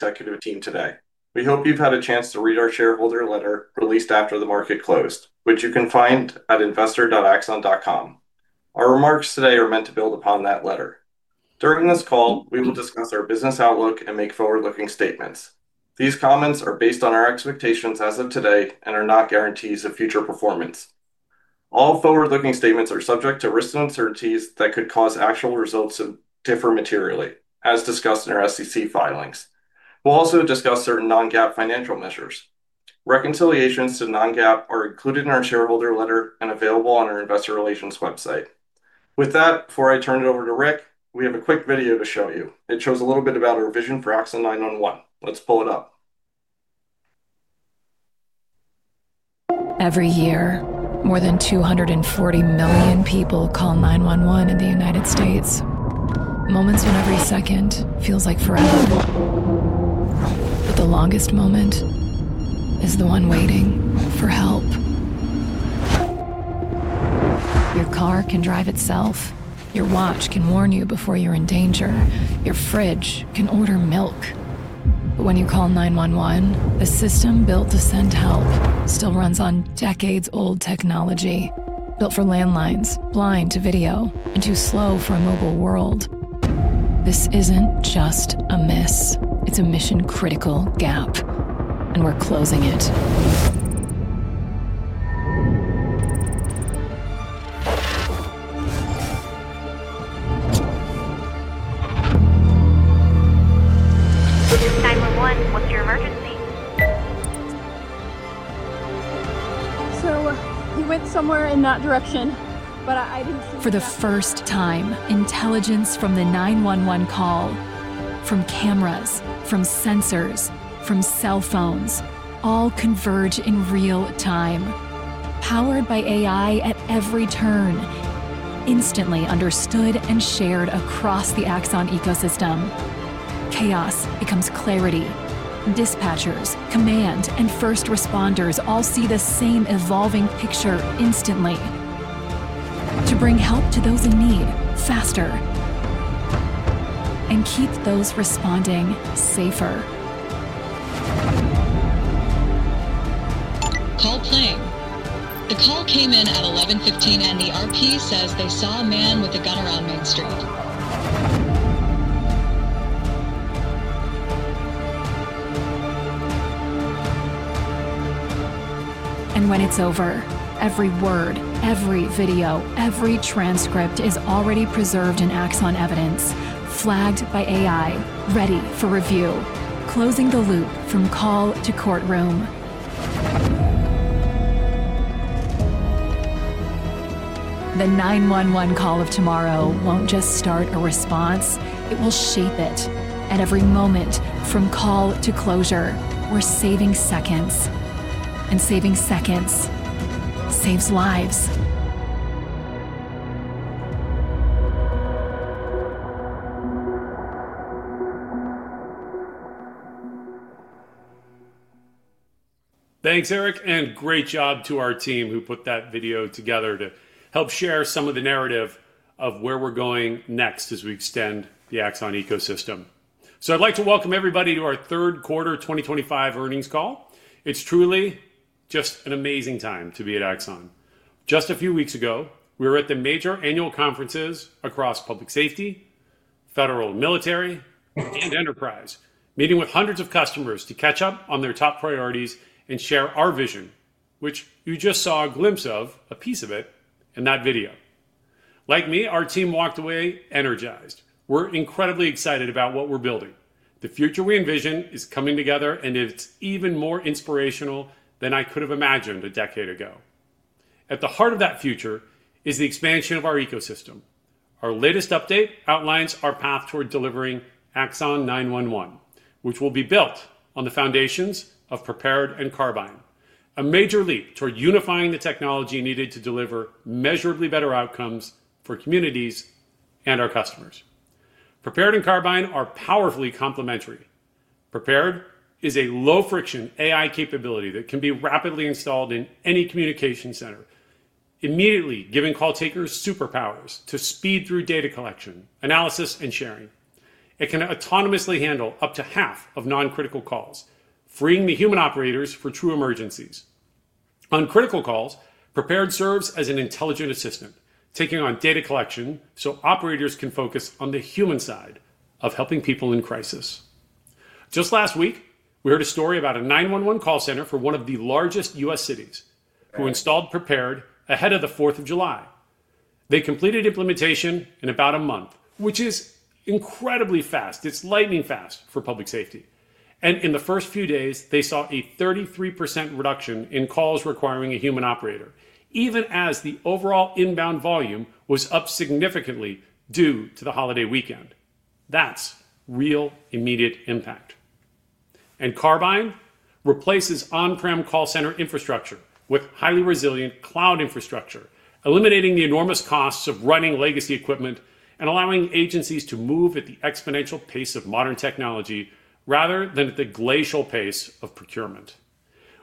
Executive team today. We hope you've had a chance to read our shareholder letter released after the market closed, which you can find at investor.axon.com. Our remarks today are meant to build upon that letter. During this call, we will discuss our business outlook and make forward-looking statements. These comments are based on our expectations as of today and are not guarantees of future performance. All forward-looking statements are subject to risks and uncertainties that could cause actual results to differ materially, as discussed in our SEC filings. We'll also discuss certain non-GAAP financial measures. Reconciliations to non-GAAP are included in our shareholder letter and available on our investor relations website. With that, before I turn it over to Rick, we have a quick video to show you. It shows a little bit about our vision for Axon 911. Let's pull it up. Every year, more than 240 million people call 911 in the United States. Moments when every second feels like forever. But the longest moment is the one waiting for help. Your car can drive itself. Your watch can warn you before you're in danger. Your fridge can order milk. But when you call 911, the system built to send help still runs on decades-old technology, built for landlines, blind to video, and too slow for a mobile world. This isn't just a miss. It's a mission-critical gap, and we're closing it. This is 911. What's your emergency? So, he went somewhere in that direction, but I didn't see. For the first time, intelligence from the 911 call, from cameras, from sensors, from cell phones, all converge in real time, powered by AI at every turn, instantly understood and shared across the Axon ecosystem. Chaos becomes clarity. Dispatchers, command, and first responders all see the same evolving picture instantly. To bring help to those in need faster. And keep those responding safer. Cold claim. The call came in at 11:15, and the RP says they saw a man with a gun around Main Street. When it's over, every word, every video, every transcript is already preserved in Axon Evidence, flagged by AI, ready for review. Closing the loop from call to courtroom. The 911 call of tomorrow won't just start a response. It will shape it. At every moment from call to closure, we're saving seconds. And saving seconds saves lives. Thanks, Eric. And great job to our team who put that video together to help share some of the narrative of where we're going next as we extend the Axon ecosystem. So I'd like to welcome everybody to our third quarter 2025 earnings call. It's truly just an amazing time to be at Axon. Just a few weeks ago, we were at the major annual conferences across public safety, federal, military, and enterprise, meeting with hundreds of customers to catch up on their top priorities and share our vision, which you just saw a glimpse of, a piece of it, in that video. Like me, our team walked away energized. We're incredibly excited about what we're building. The future we envision is coming together, and it's even more inspirational than I could have imagined a decade ago. At the heart of that future is the expansion of our ecosystem. Our latest update outlines our path toward delivering Axon 911, which will be built on the foundations of Prepared and Carbyne, a major leap toward unifying the technology needed to deliver measurably better outcomes for communities and our customers. Prepared and Carbyne are powerfully complementary. Prepared is a low-friction AI capability that can be rapidly installed in any communication center, immediately giving call takers superpowers to speed through data collection, analysis, and sharing. It can autonomously handle up to half of non-critical calls, freeing the human operators for true emergencies. On critical calls, Prepared serves as an intelligent assistant, taking on data collection so operators can focus on the human side of helping people in crisis. Just last week, we heard a story about a 911 call center for one of the largest U.S. cities who installed Prepared ahead of the 4th of July. They completed implementation in about a month, which is incredibly fast. It's lightning fast for public safety. And in the first few days, they saw a 33% reduction in calls requiring a human operator, even as the overall inbound volume was up significantly due to the holiday weekend. That's real immediate impact. And Carbyne replaces on-prem call center infrastructure with highly resilient cloud infrastructure, eliminating the enormous costs of running legacy equipment and allowing agencies to move at the exponential pace of modern technology rather than at the glacial pace of procurement.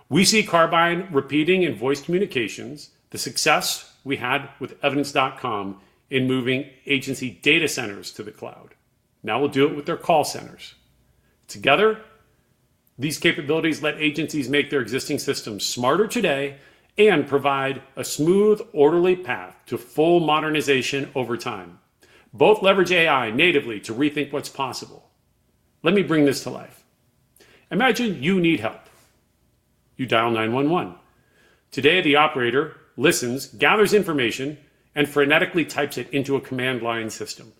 We see Carbyne repeating in voice communications the success we had with evidence.com in moving agency data centers to the cloud. Now we'll do it with their call centers. Together, these capabilities let agencies make their existing systems smarter today and provide a smooth, orderly path to full modernization over time. Both leverage AI natively to rethink what's possible. Let me bring this to life. Imagine you need help. You dial 911. Today, the operator listens, gathers information, and frenetically types it into a command line system.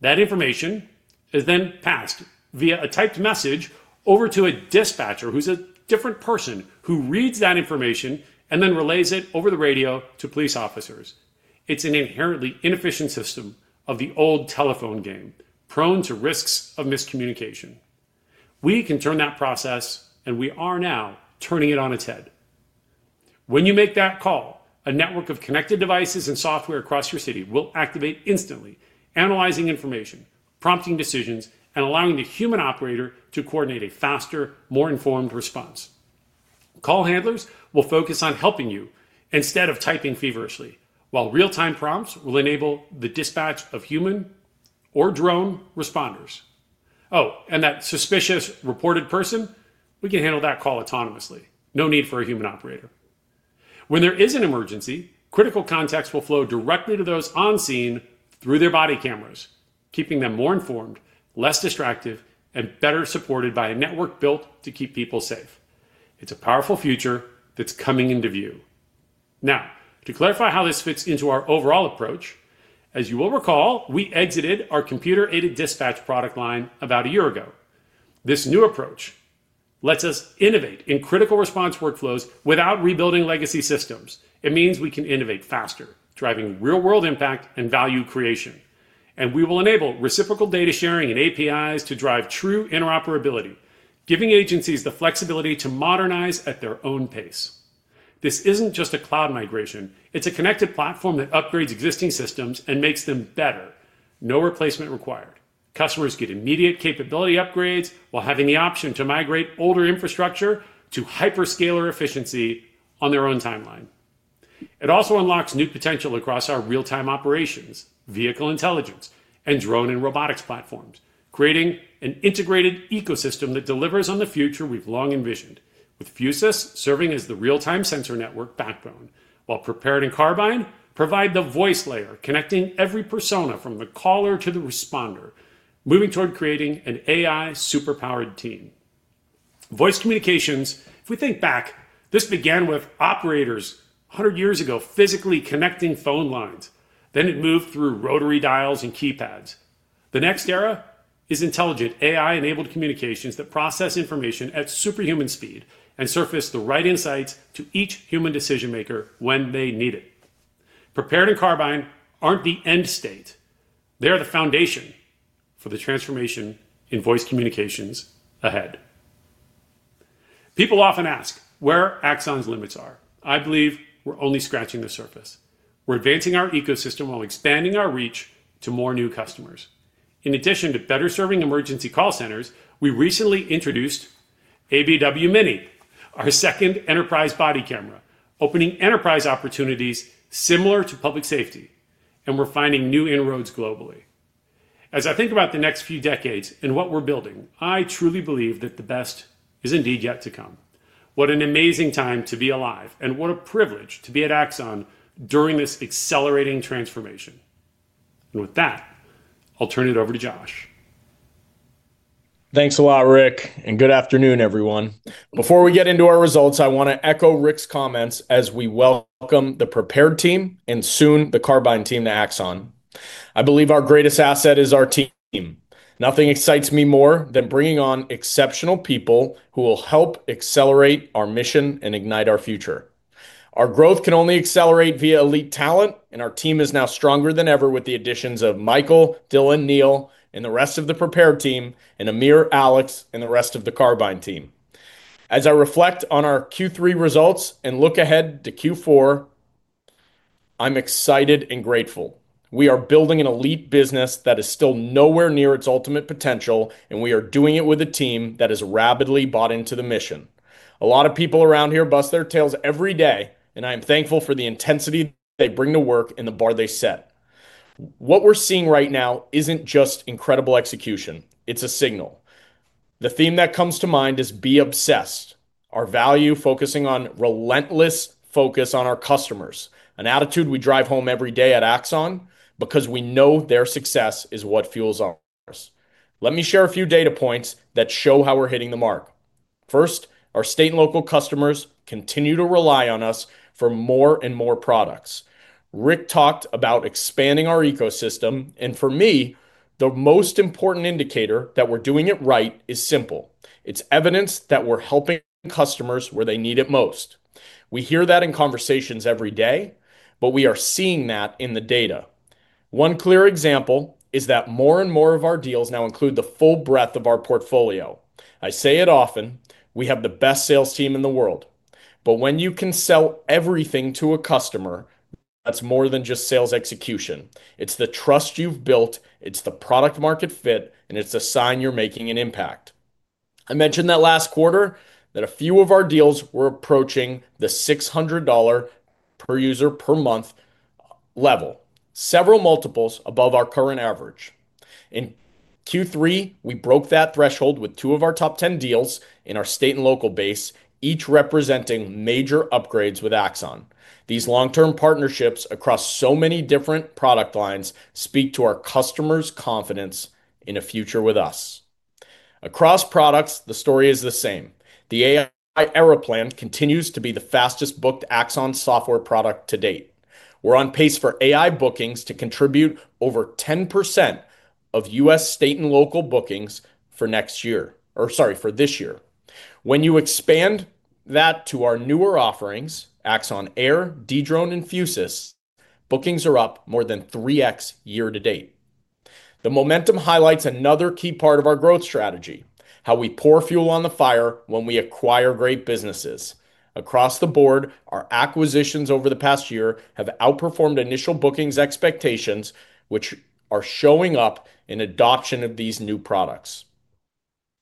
That information is then passed via a typed message over to a dispatcher, who's a different person, who reads that information and then relays it over the radio to police officers. It's an inherently inefficient system of the old telephone game, prone to risks of miscommunication. We can turn that process, and we are now turning it on its head. When you make that call, a network of connected devices and software across your city will activate instantly, analyzing information, prompting decisions, and allowing the human operator to coordinate a faster, more informed response. Call handlers will focus on helping you instead of typing feverishly, while real-time prompts will enable the dispatch of human or drone responders. Oh, and that suspicious reported person, we can handle that call autonomously. No need for a human operator. When there is an emergency, critical context will flow directly to those on scene through their body cameras, keeping them more informed, less distracted, and better supported by a network built to keep people safe. It's a powerful future that's coming into view. Now, to clarify how this fits into our overall approach, as you will recall, we exited our computer-aided dispatch product line about a year ago. This new approach lets us innovate in critical response workflows without rebuilding legacy systems. It means we can innovate faster, driving real-world impact and value creation. And we will enable reciprocal data sharing and APIs to drive true interoperability, giving agencies the flexibility to modernize at their own pace. This isn't just a cloud migration. It's a connected platform that upgrades existing systems and makes them better. No replacement required. Customers get immediate capability upgrades while having the option to migrate older infrastructure to hyperscaler efficiency on their own timeline. It also unlocks new potential across our real-time operations, vehicle intelligence, and drone and robotics platforms, creating an integrated ecosystem that delivers on the future we've long envisioned, with Fusus serving as the real-time sensor network backbone. While Prepared and Carbyne provide the voice layer, connecting every persona from the caller to the responder, moving toward creating an AI superpowered team. Voice communications, if we think back, this began with operators 100 years ago physically connecting phone lines. Then it moved through rotary dials and keypads. The next era is intelligent AI-enabled communications that process information at superhuman speed and surface the right insights to each human decision-maker when they need it. Prepared and Carbyne aren't the end state. They're the foundation for the transformation in voice communications ahead. People often ask where Axon's limits are. I believe we're only scratching the surface. We're advancing our ecosystem while expanding our reach to more new customers. In addition to better serving emergency call centers, we recently introduced ABW Mini, our second enterprise body camera, opening enterprise opportunities similar to public safety, and we're finding new inroads globally. As I think about the next few decades and what we're building, I truly believe that the best is indeed yet to come. What an amazing time to be alive, and what a privilege to be at Axon during this accelerating transformation. And with that, I'll turn it over to Josh. Thanks a lot, Rick, and good afternoon, everyone. Before we get into our results, I want to echo Rick's comments as we welcome the Prepared team and soon the Carbyne team to Axon. I believe our greatest asset is our team. Nothing excites me more than bringing on exceptional people who will help accelerate our mission and ignite our future. Our growth can only accelerate via elite talent, and our team is now stronger than ever with the additions of Michael, Dylan, Neil, and the rest of the Prepared team, and Amir, Alex, and the rest of the Carbyne team. As I reflect on our Q3 results and look ahead to Q4, I'm excited and grateful. We are building an elite business that is still nowhere near its ultimate potential, and we are doing it with a team that is rapidly bought into the mission. A lot of people around here bust their tails every day, and I am thankful for the intensity they bring to work and the bar they set. What we're seeing right now isn't just incredible execution. It's a signal. The theme that comes to mind is be obsessed, our value focusing on relentless focus on our customers, an attitude we drive home every day at Axon because we know their success is what fuels ours. Let me share a few data points that show how we're hitting the mark. First, our state and local customers continue to rely on us for more and more products. Rick talked about expanding our ecosystem, and for me, the most important indicator that we're doing it right is simple. It's evidence that we're helping customers where they need it most. We hear that in conversations every day, but we are seeing that in the data. One clear example is that more and more of our deals now include the full breadth of our portfolio. I say it often, we have the best sales team in the world. But when you can sell everything to a customer, that's more than just sales execution. It's the trust you've built. It's the product-market fit, and it's a sign you're making an impact. I mentioned that last quarter that a few of our deals were approaching the $600 per user per month level, several multiples above our current average. In Q3, we broke that threshold with two of our top 10 deals in our state and local base, each representing major upgrades with Axon. These long-term partnerships across so many different product lines speak to our customers' confidence in a future with us. Across products, the story is the same. The AI Aeroplan continues to be the fastest booked Axon software product to date. We're on pace for AI bookings to contribute over 10% of U.S. state and local bookings for next year or, sorry, for this year. When you expand that to our newer offerings, Axon Air, Dedrone, and Fusus, bookings are up more than 3X year to date. The momentum highlights another key part of our growth strategy, how we pour fuel on the fire when we acquire great businesses. Across the board, our acquisitions over the past year have outperformed initial bookings expectations, which are showing up in adoption of these new products.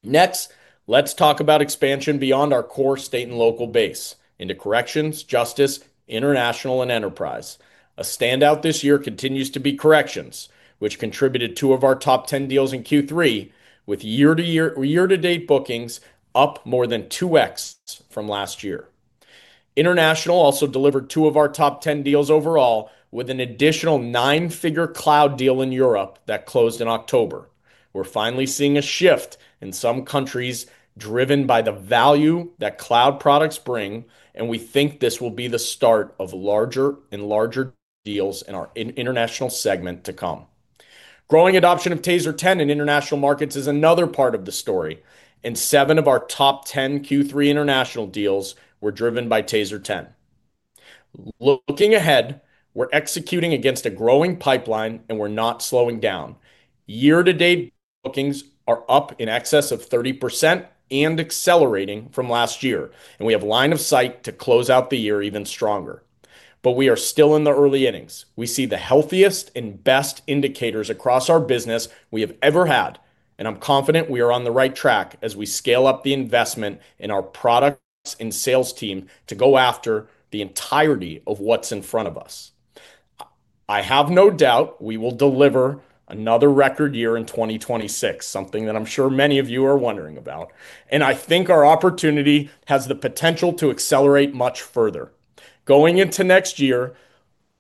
Next, let's talk about expansion beyond our core state and local base into corrections, justice, international, and enterprise. A standout this year continues to be corrections, which contributed two of our top 10 deals in Q3 with year-to-date bookings up more than 2x from last year. International also delivered two of our top 10 deals overall with an additional nine-figure cloud deal in Europe that closed in October. We're finally seeing a shift in some countries driven by the value that cloud products bring, and we think this will be the start of larger and larger deals in our international segment to come. Growing adoption of TASER 10 in international markets is another part of the story, and seven of our top 10 Q3 international deals were driven by TASER 10. Looking ahead, we're executing against a growing pipeline, and we're not slowing down. Year-to-date bookings are up in excess of 30% and accelerating from last year, and we have line of sight to close out the year even stronger. But we are still in the early innings. We see the healthiest and best indicators across our business we have ever had, and I'm confident we are on the right track as we scale up the investment in our products and sales team to go after the entirety of what's in front of us. I have no doubt we will deliver another record year in 2026, something that I'm sure many of you are wondering about. And I think our opportunity has the potential to accelerate much further. Going into next year,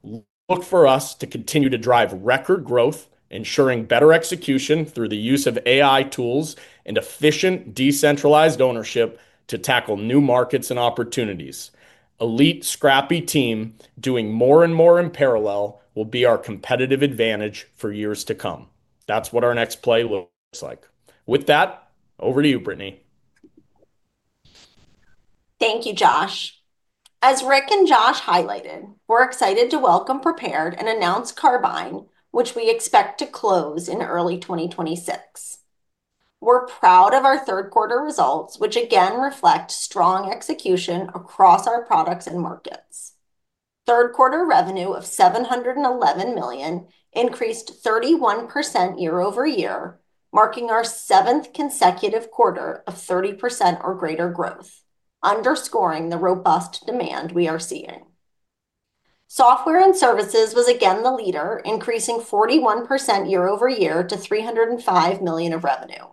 look for us to continue to drive record growth, ensuring better execution through the use of AI tools and efficient decentralized ownership to tackle new markets and opportunities. Elite scrappy team doing more and more in parallel will be our competitive advantage for years to come. That's what our next play looks like. With that, over to you, Brittany. Thank you, Josh. As Rick and Josh highlighted, we're excited to welcome Prepared and announce Carbyne, which we expect to close in early 2026. We're proud of our third-quarter results, which again reflect strong execution across our products and markets. Third-quarter revenue of $711 million increased 31% year-over-year, marking our seventh consecutive quarter of 30% or greater growth, underscoring the robust demand we are seeing. Software and services was again the leader, increasing 41% year-over-year to $305 million of revenue.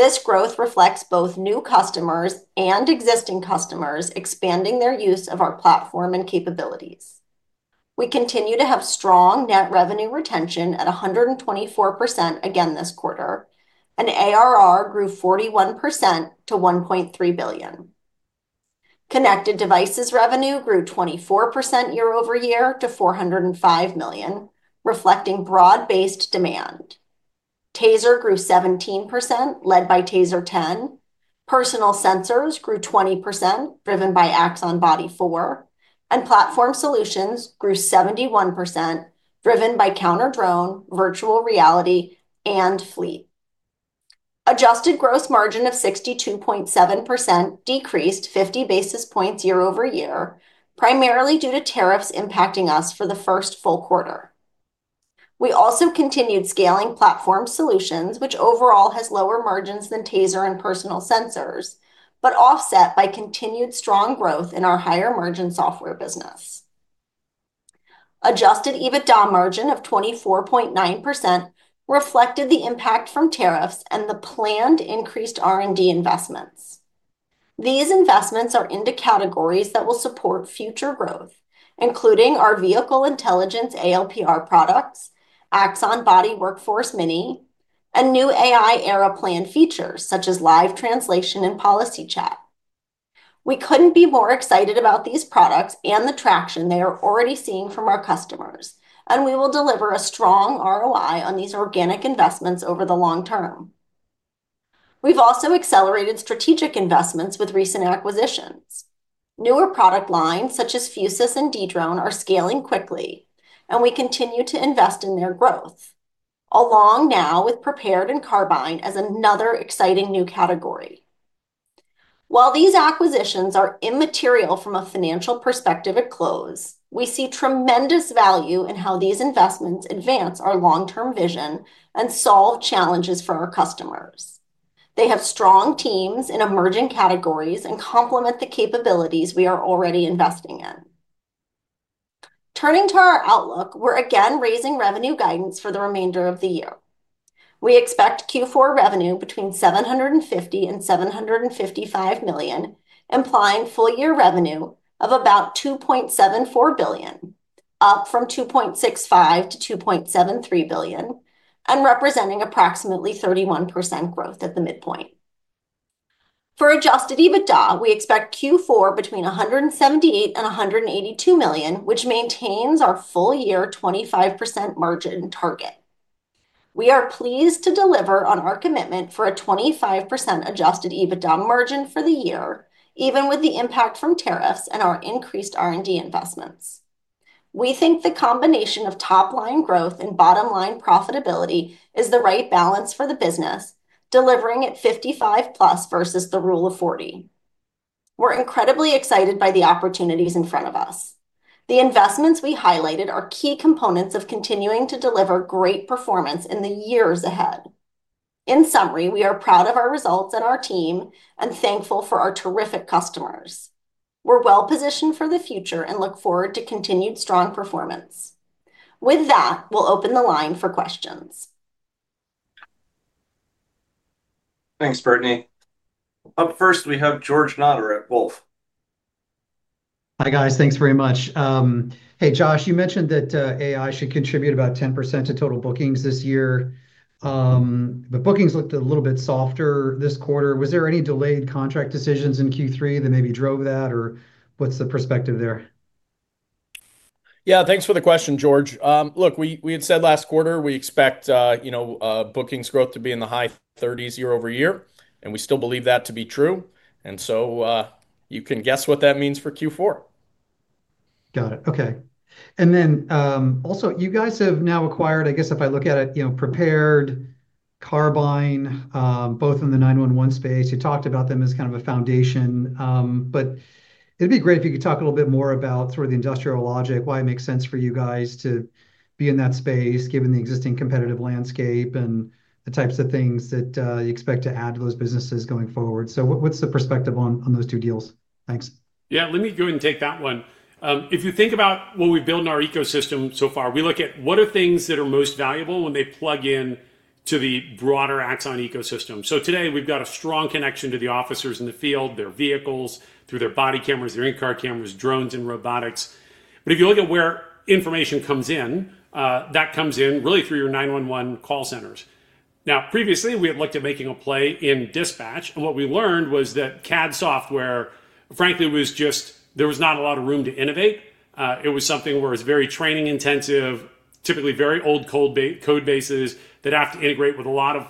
This growth reflects both new customers and existing customers expanding their use of our platform and capabilities. We continue to have strong net revenue retention at 124% again this quarter, and ARR grew 41% to $1.3 billion. Connected devices revenue grew 24% year-over-year to $405 million, reflecting broad-based demand. TASER grew 17%, led by TASER 10. Personal sensors grew 20%, driven by Axon Body 4, and platform solutions grew 71%, driven by CounterDrone, virtual reality, and Fleet. Adjusted gross margin of 62.7% decreased 50 basis points year-over-year, primarily due to tariffs impacting us for the first full quarter. We also continued scaling platform solutions, which overall has lower margins than TASER and personal sensors, but offset by continued strong growth in our higher margin software business. Adjusted EBITDA margin of 24.9% reflected the impact from tariffs and the planned increased R&D investments. These investments are into categories that will support future growth, including our vehicle intelligence ALPR products, Axon Body Workforce Mini, and new AI Aeroplan features such as live translation and policy chat. We couldn't be more excited about these products and the traction they are already seeing from our customers, and we will deliver a strong ROI on these organic investments over the long term. We've also accelerated strategic investments with recent acquisitions. Newer product lines such as Fusus and Dedrone are scaling quickly, and we continue to invest in their growth. Along now with Prepared and Carbyne as another exciting new category. While these acquisitions are immaterial from a financial perspective at close, we see tremendous value in how these investments advance our long-term vision and solve challenges for our customers. They have strong teams in emerging categories and complement the capabilities we are already investing in. Turning to our outlook, we're again raising revenue guidance for the remainder of the year. We expect Q4 revenue between $750-$755 million, implying full-year revenue of about $2.74 billion, up from $2.65-$2.73 billion, and representing approximately 31% growth at the midpoint. For Adjusted EBITDA, we expect Q4 between $178-$182 million, which maintains our full-year 25% margin target. We are pleased to deliver on our commitment for a 25% Adjusted EBITDA margin for the year, even with the impact from tariffs and our increased R&D investments. We think the combination of topline growth and bottom-line profitability is the right balance for the business, delivering at 55-plus versus the Rule of 40. We're incredibly excited by the opportunities in front of us. The investments we highlighted are key components of continuing to deliver great performance in the years ahead. In summary, we are proud of our results and our team and thankful for our terrific customers. We're well-positioned for the future and look forward to continued strong performance. With that, we'll open the line for questions. Thanks, Brittany. Up first, we have George Notter at Wolfe. Hi guys, thanks very much. Hey, Josh, you mentioned that AI should contribute about 10% to total bookings this year. But bookings looked a little bit softer this quarter. Was there any delayed contract decisions in Q3 that maybe drove that, or what's the perspective there? Yeah, thanks for the question, George. Look, we had said last quarter we expect bookings growth to be in the high 30s% year-over-year, and we still believe that to be true, and so you can guess what that means for Q4. Got it. Okay. And then also, you guys have now acquired, I guess if I look at it, Prepared, Carbyne, both in the 911 space. You talked about them as kind of a foundation. But it'd be great if you could talk a little bit more about sort of the industrial logic, why it makes sense for you guys to be in that space, given the existing competitive landscape and the types of things that you expect to add to those businesses going forward. So what's the perspective on those two deals? Thanks. Yeah, let me go ahead and take that one. If you think about what we've built in our ecosystem so far, we look at what are things that are most valuable when they plug into the broader Axon ecosystem. So today, we've got a strong connection to the officers in the field, their vehicles, through their body cameras, their in-car cameras, drones, and robotics. But if you look at where information comes in, that comes in really through your 911 call centers. Now, previously, we had looked at making a play in dispatch, and what we learned was that CAD software, frankly, was just not a lot of room to innovate. It was something where it was very training-intensive, typically very old code bases that have to integrate with a lot of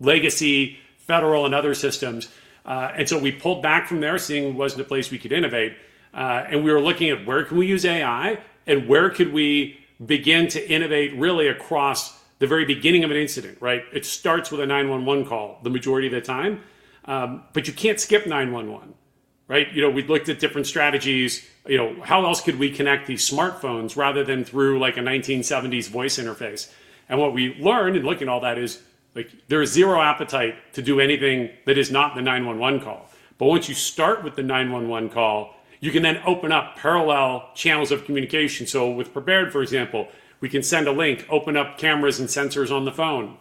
legacy federal and other systems. And so we pulled back from there, seeing it wasn't a place we could innovate. And we were looking at where can we use AI and where could we begin to innovate really across the very beginning of an incident, right? It starts with a 911 call the majority of the time, but you can't skip 911, right? We looked at different strategies. How else could we connect these smartphones rather than through a 1970s voice interface? And what we learned in looking at all that is there is zero appetite to do anything that is not the 911 call. But once you start with the 911 call, you can then open up parallel channels of communication. So with Prepared, for example, we can send a link, open up cameras and sensors on the phone.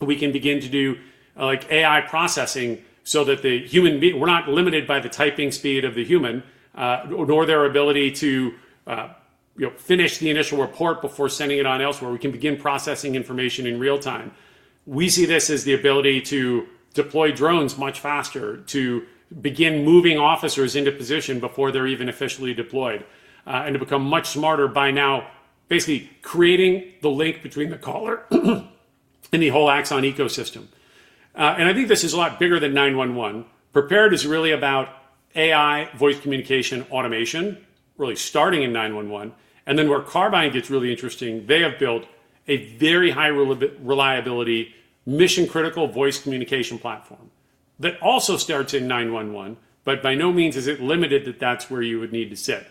We can begin to do AI processing so that the human being we're not limited by the typing speed of the human, nor their ability to finish the initial report before sending it on elsewhere. We can begin processing information in real time. We see this as the ability to deploy drones much faster, to begin moving officers into position before they're even officially deployed, and to become much smarter by now, basically creating the link between the caller and the whole Axon ecosystem. And I think this is a lot bigger than 911. Prepared is really about AI, voice communication, automation, really starting in 911. And then where Carbyne gets really interesting, they have built a very high reliability mission-critical voice communication platform that also starts in 911, but by no means is it limited to that. That's where you would need to sit.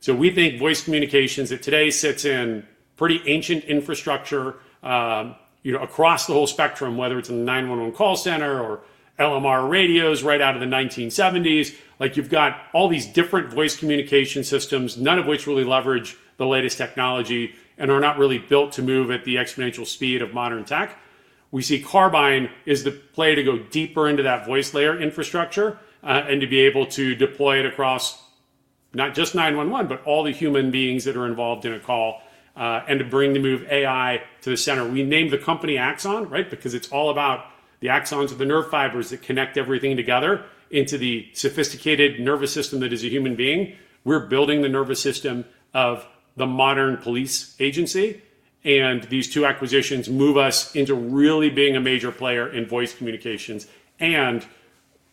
So we think voice communications that today sits in pretty ancient infrastructure across the whole spectrum, whether it's in the 911 call center or LMR radios right out of the 1970s, like you've got all these different voice communication systems, none of which really leverage the latest technology and are not really built to move at the exponential speed of modern tech. We see Carbyne is the play to go deeper into that voice layer infrastructure and to be able to deploy it across, not just 911, but all the human beings that are involved in a call and to bring more AI to the center. We named the company Axon, right? Because it's all about the axons of the nerve fibers that connect everything together into the sophisticated nervous system that is a human being. We're building the nervous system of the modern police agency. And these two acquisitions move us into really being a major player in voice communications, and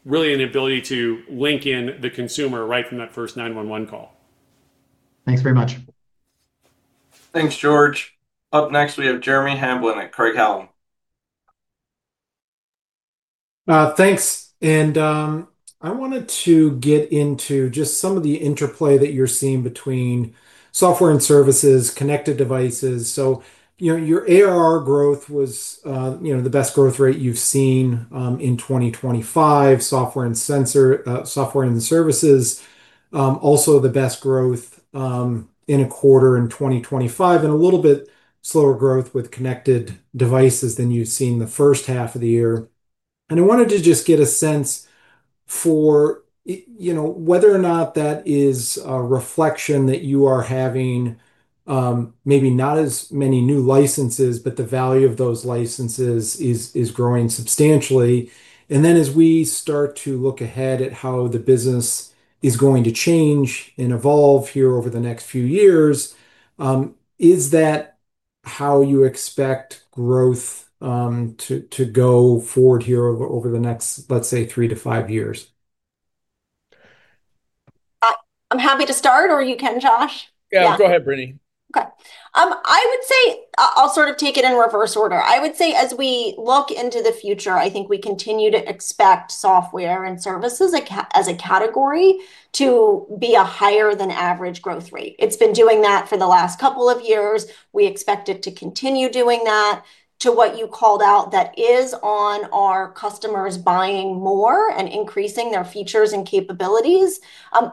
really an ability to link in the consumer right from that first 911 call. Thanks very much. Thanks, George. Up next, we have Jeremy Hamblin at Craig-Hallum. Thanks. And I wanted to get into just some of the interplay that you're seeing between software and services, connected devices. So your ARR growth was the best growth rate you've seen in 2025, software and services also the best growth in a quarter in 2025, and a little bit slower growth with connected devices than you've seen the first half of the year. And I wanted to just get a sense for whether or not that is a reflection that you are having maybe not as many new licenses, but the value of those licenses is growing substantially. And then as we start to look ahead at how the business is going to change and evolve here over the next few years. Is that how you expect growth to go forward here over the next, let's say, three to five years? I'm happy to start, or you can, Josh. Yeah, go ahead, Brittany. Okay. I would say I'll sort of take it in reverse order. I would say as we look into the future, I think we continue to expect software and services as a category to be a higher-than-average growth rate. It's been doing that for the last couple of years. We expect it to continue doing that to what you called out that is on our customers buying more and increasing their features and capabilities,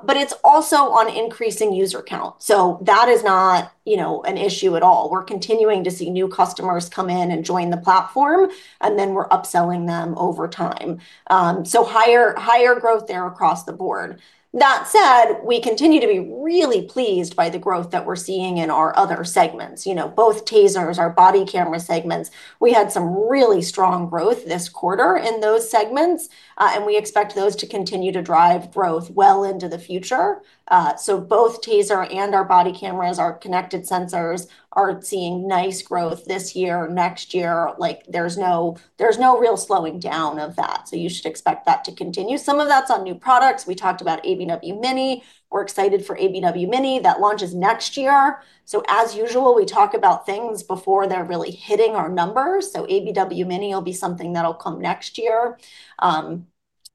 but it's also on increasing user count. So that is not an issue at all. We're continuing to see new customers come in and join the platform, and then we're upselling them over time. So higher growth there across the board. That said, we continue to be really pleased by the growth that we're seeing in our other segments, both TASERs, our body camera segments. We had some really strong growth this quarter in those segments, and we expect those to continue to drive growth well into the future. So both TASER and our body cameras, our connected sensors, are seeing nice growth this year, next year. There's no real slowing down of that. So you should expect that to continue. Some of that's on new products. We talked about ABW Mini. We're excited for ABW Mini that launches next year. So as usual, we talk about things before they're really hitting our numbers. So ABW Mini will be something that'll come next year.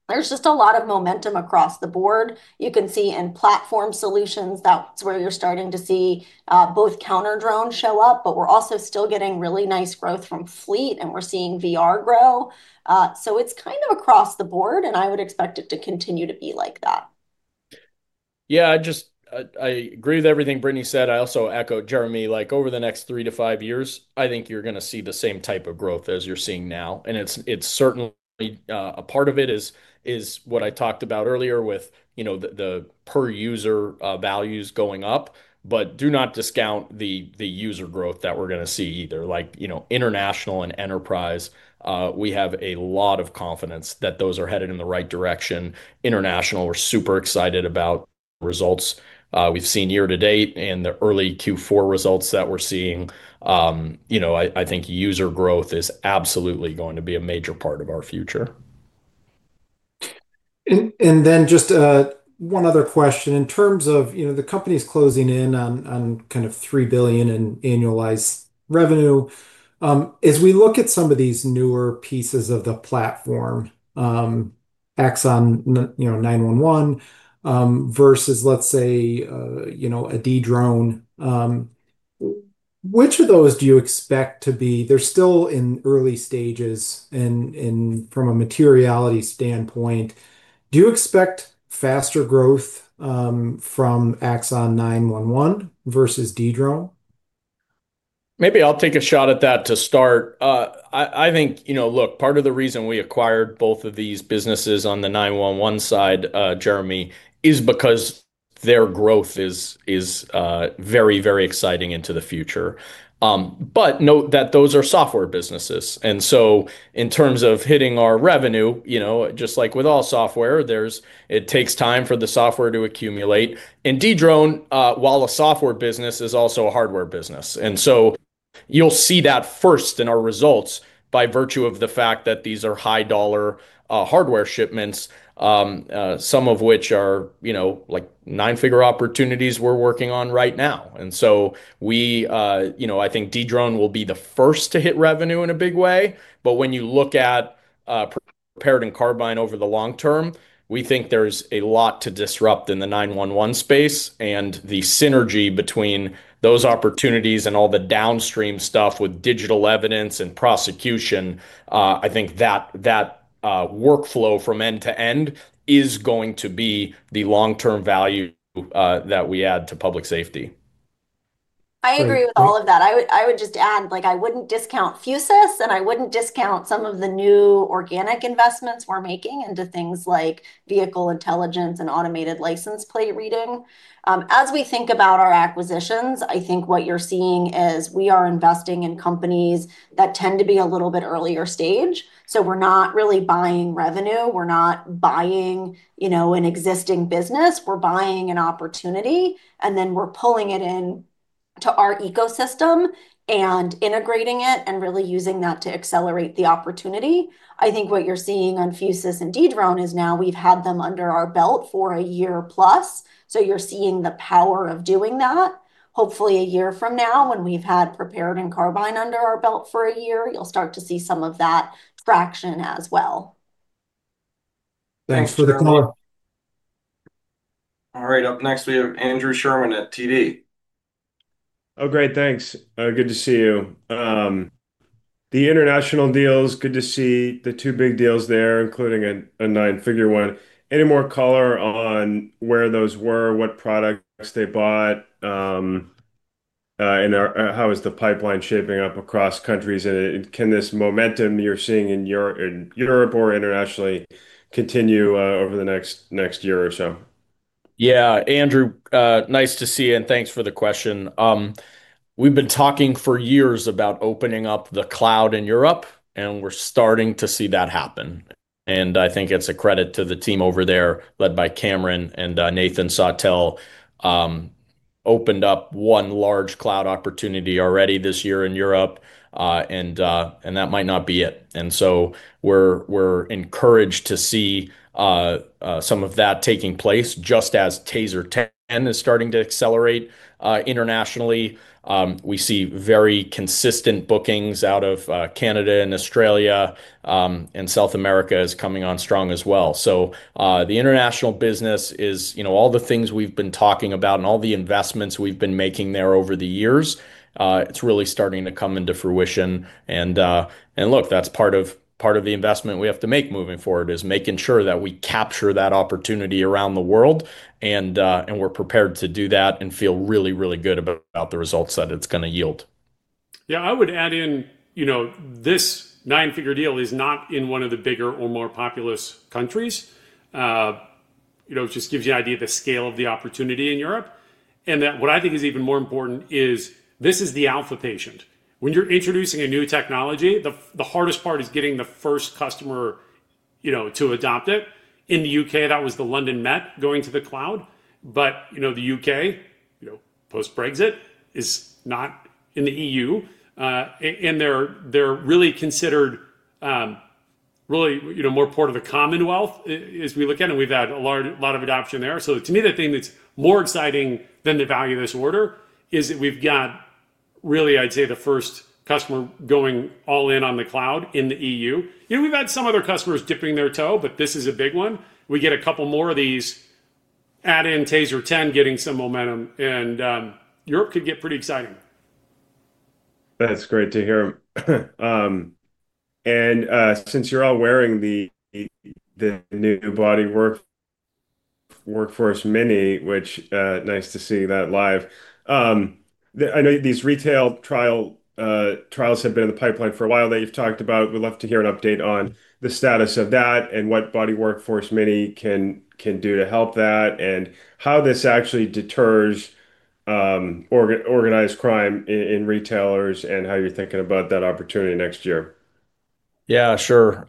There's just a lot of momentum across the board. You can see in platform solutions, that's where you're starting to see both CounterDrone show up, but we're also still getting really nice growth from Fleet, and we're seeing VR grow. So it's kind of across the board, and I would expect it to continue to be like that. Yeah, I agree with everything Brittany said. I also echo Jeremy. Over the next three to five years, I think you're going to see the same type of growth as you're seeing now. And it's certainly a part of it, what I talked about earlier with the per-user values going up, but do not discount the user growth that we're going to see either. Like international and enterprise, we have a lot of confidence that those are headed in the right direction. International, we're super excited about the results we've seen year to date and the early Q4 results that we're seeing. I think user growth is absolutely going to be a major part of our future. And then just one other question. In terms of the company's closing in on kind of $3 billion in annualized revenue, as we look at some of these newer pieces of the platform, Axon 911 versus, let's say, a Dedrone. Which of those do you expect to be? They're still in early stages. From a materiality standpoint, do you expect faster growth from Axon 911 versus Dedrone? Maybe I'll take a shot at that to start. I think, look, part of the reason we acquired both of these businesses on the 911 side, Jeremy, is because their growth is very, very exciting into the future. But note that those are software businesses. And so in terms of hitting our revenue, just like with all software, it takes time for the software to accumulate. And Dedrone, while a software business, is also a hardware business. And so you'll see that first in our results by virtue of the fact that these are high-dollar hardware shipments. Some of which are nine-figure opportunities we're working on right now. And so I think Dedrone will be the first to hit revenue in a big way. But when you look at Prepared and Carbyne over the long term, we think there's a lot to disrupt in the 911 space. And the synergy between those opportunities and all the downstream stuff with digital evidence and prosecution, I think that workflow from end to end is going to be the long-term value that we add to public safety. I agree with all of that. I would just add, I wouldn't discount Fusus, and I wouldn't discount some of the new organic investments we're making into things like vehicle intelligence and automated license plate recognition. As we think about our acquisitions, I think what you're seeing is we are investing in companies that tend to be a little bit earlier stage. So we're not really buying revenue. We're not buying an existing business. We're buying an opportunity, and then we're pulling it into our ecosystem and integrating it and really using that to accelerate the opportunity. I think what you're seeing on Fusus and Dedrone is now we've had them under our belt for a year plus. So you're seeing the power of doing that. Hopefully, a year from now, when we've had Prepared and Carbyne under our belt for a year, you'll start to see some of that traction as well. Thanks for the call. All right. Up next, we have Andrew Sherman at TD. Oh, great. Thanks. Good to see you. The international deals, good to see the two big deals there, including a nine-figure one. Any more color on where those were, what products they bought? And how is the pipeline shaping up across countries? And can this momentum you're seeing in Europe or internationally continue over the next year or so? Yeah, Andrew, nice to see you, and thanks for the question. We've been talking for years about opening up the cloud in Europe, and we're starting to see that happen. And I think it's a credit to the team over there, led by Cameron and Nathan Sautel. Opened up one large cloud opportunity already this year in Europe, and that might not be it. And so we're encouraged to see some of that taking place, just as TASER 10 is starting to accelerate. Internationally, we see very consistent bookings out of Canada and Australia, and South America is coming on strong as well. So the international business is all the things we've been talking about and all the investments we've been making there over the years, it's really starting to come into fruition. And look, that's part of the investment we have to make moving forward, is making sure that we capture that opportunity around the world. And we're prepared to do that and feel really, really good about the results that it's going to yield. Yeah, I would add in. This nine-figure deal is not in one of the bigger or more populous countries. It just gives you an idea of the scale of the opportunity in Europe. And what I think is even more important is this is the alpha patient. When you're introducing a new technology, the hardest part is getting the first customer to adopt it. In the U.K., that was the London Met going to the cloud. But the U.K. post-Brexit is not in the E.U. And they're really considered really more part of the Commonwealth as we look at it. And we've had a lot of adoption there. So to me, the thing that's more exciting than the value of this order is that we've got really, I'd say, the first customer going all in on the cloud in the E.U. We've had some other customers dipping their toe, but this is a big one. We get a couple more of these. Add in TASER 10, getting some momentum, and Europe could get pretty exciting. That's great to hear. And since you're all wearing the new Body Workforce Mini, which is nice to see that live. I know these retail trials have been in the pipeline for a while that you've talked about. We'd love to hear an update on the status of that and what Body Workforce Mini can do to help that and how this actually deters organized crime in retailers and how you're thinking about that opportunity next year. Yeah, sure.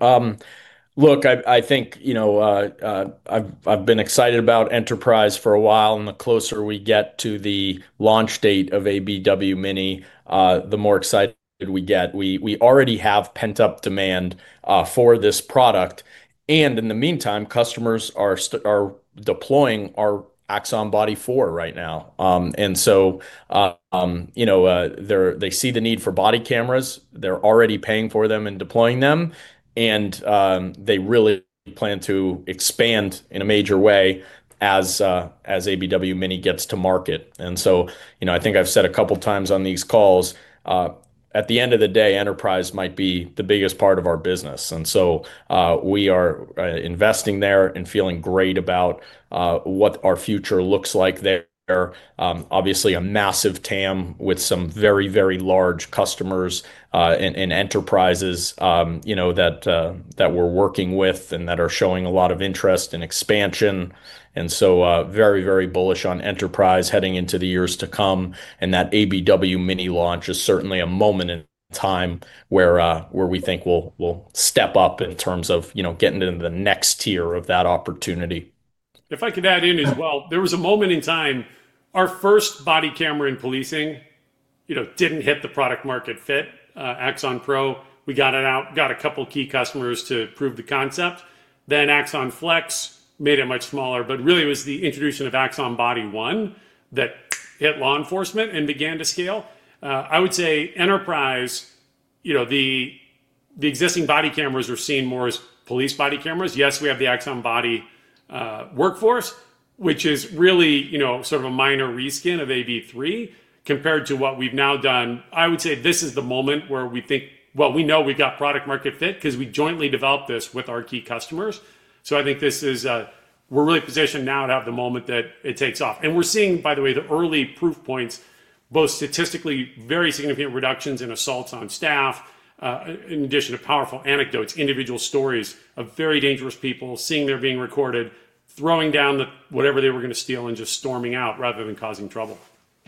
Look, I think I've been excited about enterprise for a while, and the closer we get to the launch date of ABW Mini, the more excited we get. We already have pent-up demand for this product. And in the meantime, customers are deploying our Axon Body 4 right now. And so they see the need for body cameras. They're already paying for them and deploying them. And they really plan to expand in a major way as ABW Mini gets to market. And so I think I've said a couple of times on these calls. At the end of the day, enterprise might be the biggest part of our business. And so we are investing there and feeling great about what our future looks like there. Obviously, a massive TAM with some very, very large customers and enterprises that we're working with and that are showing a lot of interest and expansion. And so very, very bullish on enterprise heading into the years to come. And that ABW Mini launch is certainly a moment in time where we think we'll step up in terms of getting into the next tier of that opportunity. If I can add in as well, there was a moment in time our first body camera in policing didn't hit the product market fit. Axon Pro, we got it out, got a couple of key customers to prove the concept. Then Axon Flex made it much smaller, but really it was the introduction of Axon Body 1 that hit law enforcement and began to scale. I would say enterprise, existing body cameras are seen more as police body cameras. Yes, we have the Axon Body Workforce, which is really sort of a minor reskin of AB3 compared to what we've now done. I would say this is the moment where we think, well, we know we've got product market fit because we jointly developed this with our key customers. So I think this is we're really positioned now to have the moment that it takes off, and we're seeing, by the way, the early proof points, both statistically very significant reductions in assaults on staff, in addition to powerful anecdotes, individual stories of very dangerous people seeing they're being recorded, throwing down whatever they were going to steal and just storming out rather than causing trouble.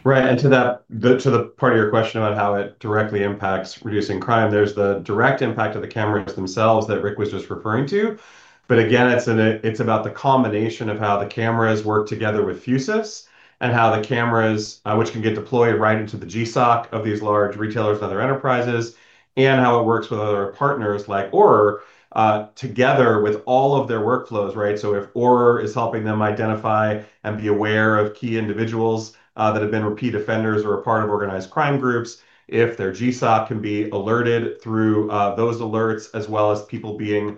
Right. And to the part of your question about how it directly impacts reducing crime, there's the direct impact of the cameras themselves that Rick was just referring to. But again, it's about the combination of how the cameras work together with Fusus and how the cameras, which can get deployed right into the GSOC of these large retailers and other enterprises, and how it works with other partners like Auror together with all of their workflows, right? So if Auror is helping them identify and be aware of key individuals that have been repeat offenders or a part of organized crime groups, if their GSOC can be alerted through those alerts as well as people being.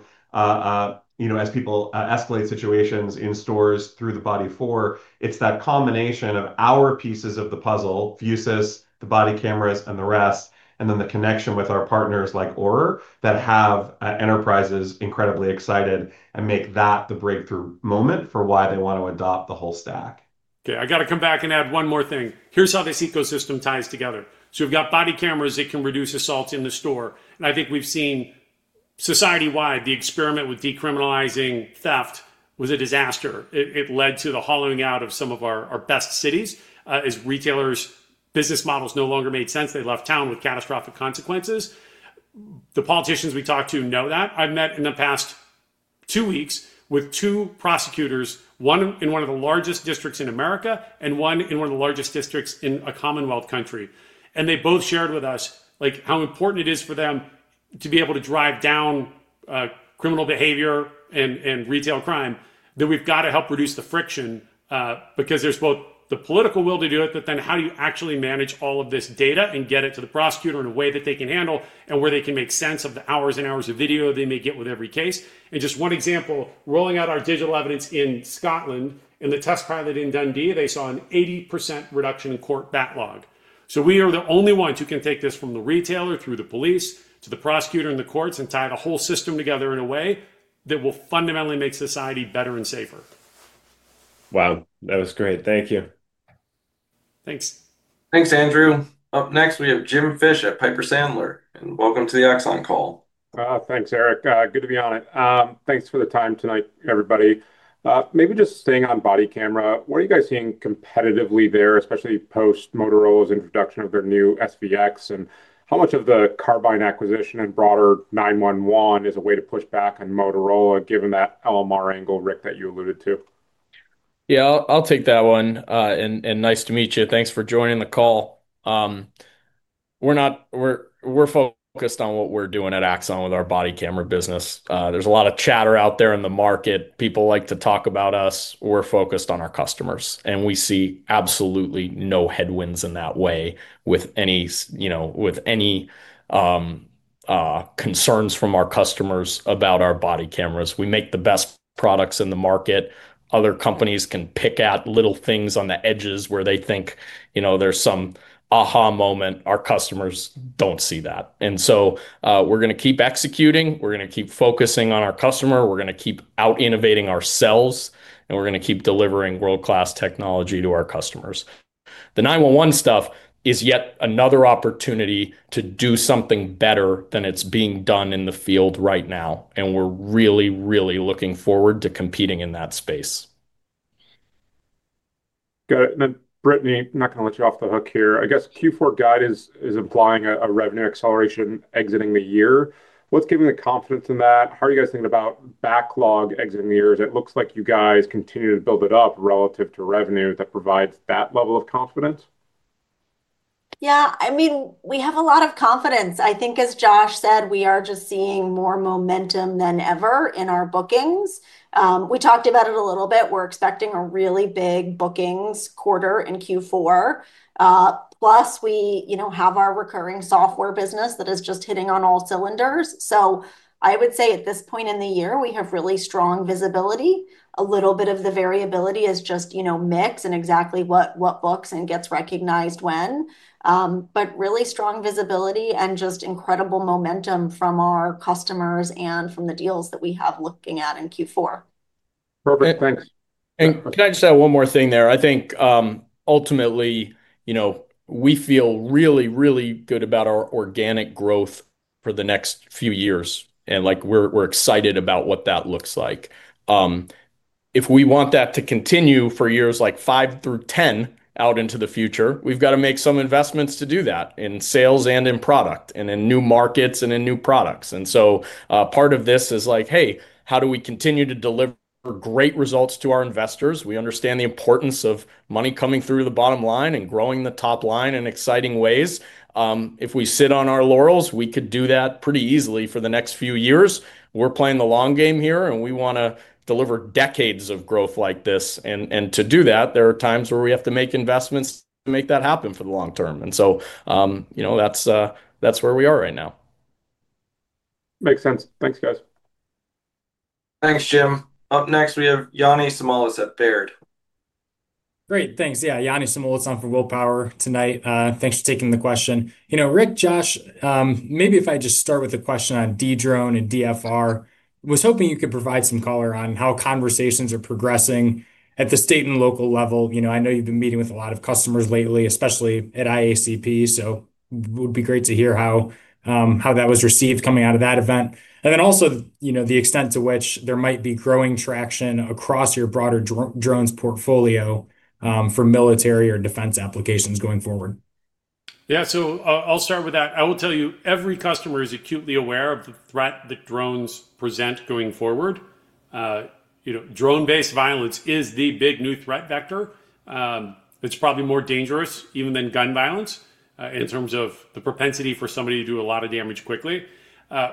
As people escalate situations in stores through the Body 4, it's that combination of our pieces of the puzzle, Fusus, the body cameras, and the rest, and then the connection with our partners like Auror that have enterprises incredibly excited and make that the breakthrough moment for why they want to adopt the whole stack. Okay, I got to come back and add one more thing. Here's how this ecosystem ties together. So we've got body cameras that can reduce assaults in the store, and I think we've seen society-wide, the experiment with decriminalizing theft was a disaster. It led to the hollowing out of some of our best cities as retailers' business models no longer made sense. They left town with catastrophic consequences. The politicians we talked to know that. I've met in the past two weeks with two prosecutors, one in one of the largest districts in America and one in one of the largest districts in a Commonwealth country, and they both shared with us how important it is for them to be able to drive down criminal behavior and retail crime, that we've got to help reduce the friction because there's both the political will to do it, but then how do you actually manage all of this data and get it to the prosecutor in a way that they can handle and where they can make sense of the hours and hours of video they may get with every case? And just one example, rolling out our digital evidence in Scotland and the test pilot in Dundee, they saw an 80% reduction in court backlog, so we are the only ones who can take this from the retailer through the police to the prosecutor and the courts and tie the whole system together in a way that will fundamentally make society better and safer. Wow, that was great. Thank you. Thanks. Thanks, Andrew. Up next, we have Jim Fish at Piper Sandler. Welcome to the Axon call. Thanks, Eric. Good to be on it. Thanks for the time tonight, everybody. Maybe just staying on body camera, what are you guys seeing competitively there, especially post-Motorola's introduction of their new SVX? And how much of the Carbyne acquisition and broader 911 is a way to push back on Motorola, given that LMR angle, Rick, that you alluded to? Yeah, I'll take that one. And nice to meet you. Thanks for joining the call. We're focused on what we're doing at Axon with our body camera business. There's a lot of chatter out there in the market. People like to talk about us. We're focused on our customers. And we see absolutely no headwinds in that way with any concerns from our customers about our body cameras. We make the best products in the market. Other companies can pick at little things on the edges where they think there's some aha moment. Our customers don't see that. And so we're going to keep executing. We're going to keep focusing on our customer. We're going to keep out-innovating ourselves. And we're going to keep delivering world-class technology to our customers. The 911 stuff is yet another opportunity to do something better than it's being done in the field right now. And we're really, really looking forward to competing in that space. Got it. And then, Brittany, I'm not going to let you off the hook here. I guess Q4 guide is implying a revenue acceleration exiting the year. What's giving the confidence in that? How are you guys thinking about backlog exiting the year? It looks like you guys continue to build it up relative to revenue that provides that level of confidence. Yeah, I mean, we have a lot of confidence. I think, as Josh said, we are just seeing more momentum than ever in our bookings. We talked about it a little bit. We're expecting a really big bookings quarter in Q4. Plus, we have our recurring software business that is just hitting on all cylinders. So I would say at this point in the year, we have really strong visibility. A little bit of the variability is just mix and exactly what books and gets recognized when. But really strong visibility and just incredible momentum from our customers and from the deals that we have looking at in Q4. Perfect. Thanks. And can I just add one more thing there? I think ultimately we feel really, really good about our organic growth for the next few years. And we're excited about what that looks like. If we want that to continue for years like five through 10 out into the future, we've got to make some investments to do that in sales and in product and in new markets and in new products. And so part of this is like, hey, how do we continue to deliver great results to our investors? We understand the importance of money coming through the bottom line and growing the top line in exciting ways. If we sit on our laurels, we could do that pretty easily for the next few years. We're playing the long game here, and we want to deliver decades of growth like this. And to do that, there are times where we have to make investments to make that happen for the long term. And so that's where we are right now. Makes sense. Thanks, guys. Thanks, Jim. Up next, we have Yanni Samoilis at Baird. Great. Thanks. Yeah, Yanni Samoilis on for Will Power tonight. Thanks for taking the question. Rick, Josh, maybe if I just start with a question on Dedrone and DFR, I was hoping you could provide some color on how conversations are progressing at the state and local level. I know you've been meeting with a lot of customers lately, especially at IACP, so it would be great to hear how that was received coming out of that event. And then also the extent to which there might be growing traction across your broader drones portfolio for military or defense applications going forward. Yeah, so I'll start with that. I will tell you every customer is acutely aware of the threat that drones present going forward. Drone-based violence is the big new threat vector. It's probably more dangerous even than gun violence in terms of the propensity for somebody to do a lot of damage quickly.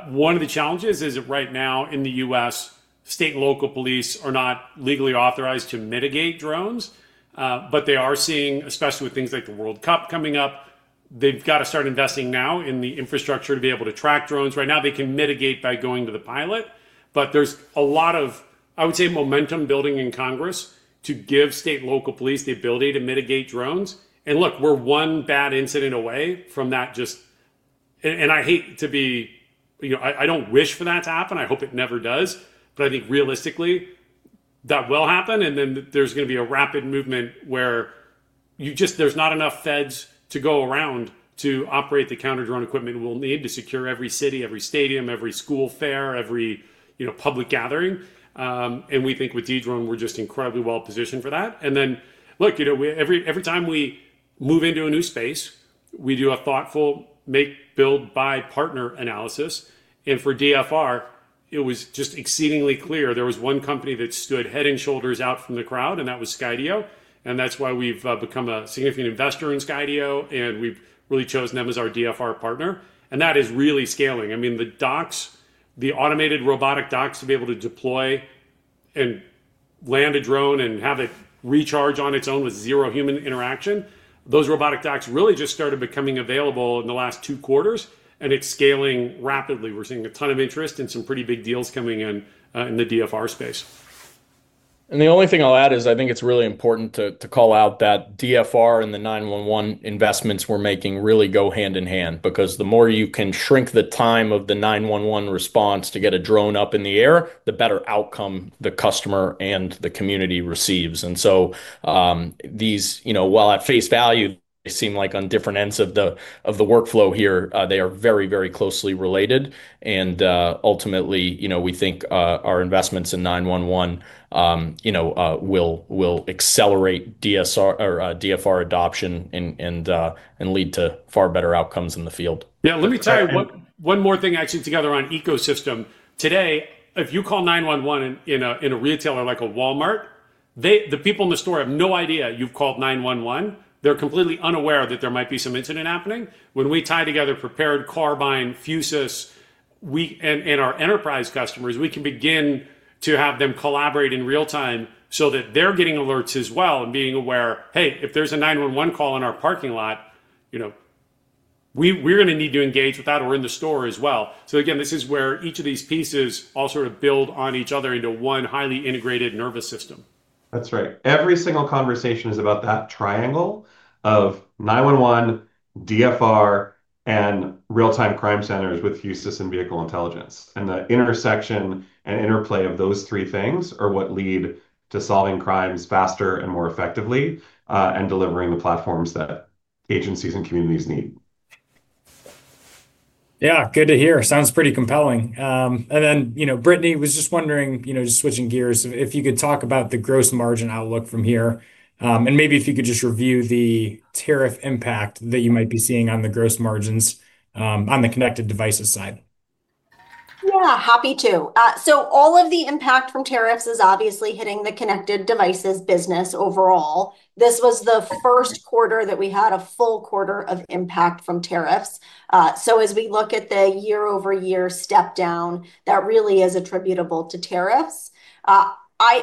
One of the challenges is that right now in the U.S., state and local police are not legally authorized to mitigate drones. But they are seeing, especially with things like the World Cup coming up, they've got to start investing now in the infrastructure to be able to track drones. Right now, they can mitigate by going to the pilot. But there's a lot of, I would say, momentum building in Congress to give state and local police the ability to mitigate drones. And look, we're one bad incident away from that just. And I hate to be. I don't wish for that to happen. I hope it never does. But I think realistically, that will happen. And then there's going to be a rapid movement where there's not enough feds to go around to operate the counter-drone equipment we'll need to secure every city, every stadium, every school fair, every public gathering. And we think with Dedrone, we're just incredibly well positioned for that. And then, look, every time we move into a new space, we do a thoughtful make, build, buy, partner analysis. And for DFR, it was just exceedingly clear. There was one company that stood head and shoulders out from the crowd, and that was Skydio. And that's why we've become a significant investor in Skydio, and we've really chosen them as our DFR partner. And that is really scaling. I mean, the docks, the automated robotic docks to be able to deploy. And land a drone and have it recharge on its own with zero human interaction, those robotic docks really just started becoming available in the last two quarters, and it's scaling rapidly. We're seeing a ton of interest and some pretty big deals coming in the DFR space. And the only thing I'll add is I think it's really important to call out that DFR and the 911 investments we're making really go hand in hand because the more you can shrink the time of the 911 response to get a drone up in the air, the better outcome the customer and the community receives. And so, while at face value they seem like on different ends of the workflow here, they are very, very closely related. And ultimately, we think our investments in 911 will accelerate DFR adoption and lead to far better outcomes in the field. Yeah, let me tell you one more thing actually together on ecosystem. Today, if you call 911 in a retailer like a Walmart, the people in the store have no idea you've called 911. They're completely unaware that there might be some incident happening. When we tie together Prepared, Carbyne, Fusus, and our enterprise customers, we can begin to have them collaborate in real time so that they're getting alerts as well and being aware, hey, if there's a 911 call in our parking lot. We're going to need to engage with that or in the store as well. So again, this is where each of these pieces all sort of build on each other into one highly integrated nervous system. That's right. Every single conversation is about that triangle of 911, DFR, and real-time crime centers with Fusus and vehicle intelligence. And the intersection and interplay of those three things are what lead to solving crimes faster and more effectively and delivering the platforms that agencies and communities need. Yeah, good to hear. Sounds pretty compelling. And then Brittany was just wondering, just switching gears, if you could talk about the gross margin outlook from here. And maybe if you could just review the tariff impact that you might be seeing on the gross margins on the connected devices side. Yeah, happy to. So all of the impact from tariffs is obviously hitting the connected devices business overall. This was the first quarter that we had a full quarter of impact from tariffs. So as we look at the year-over-year step down, that really is attributable to tariffs.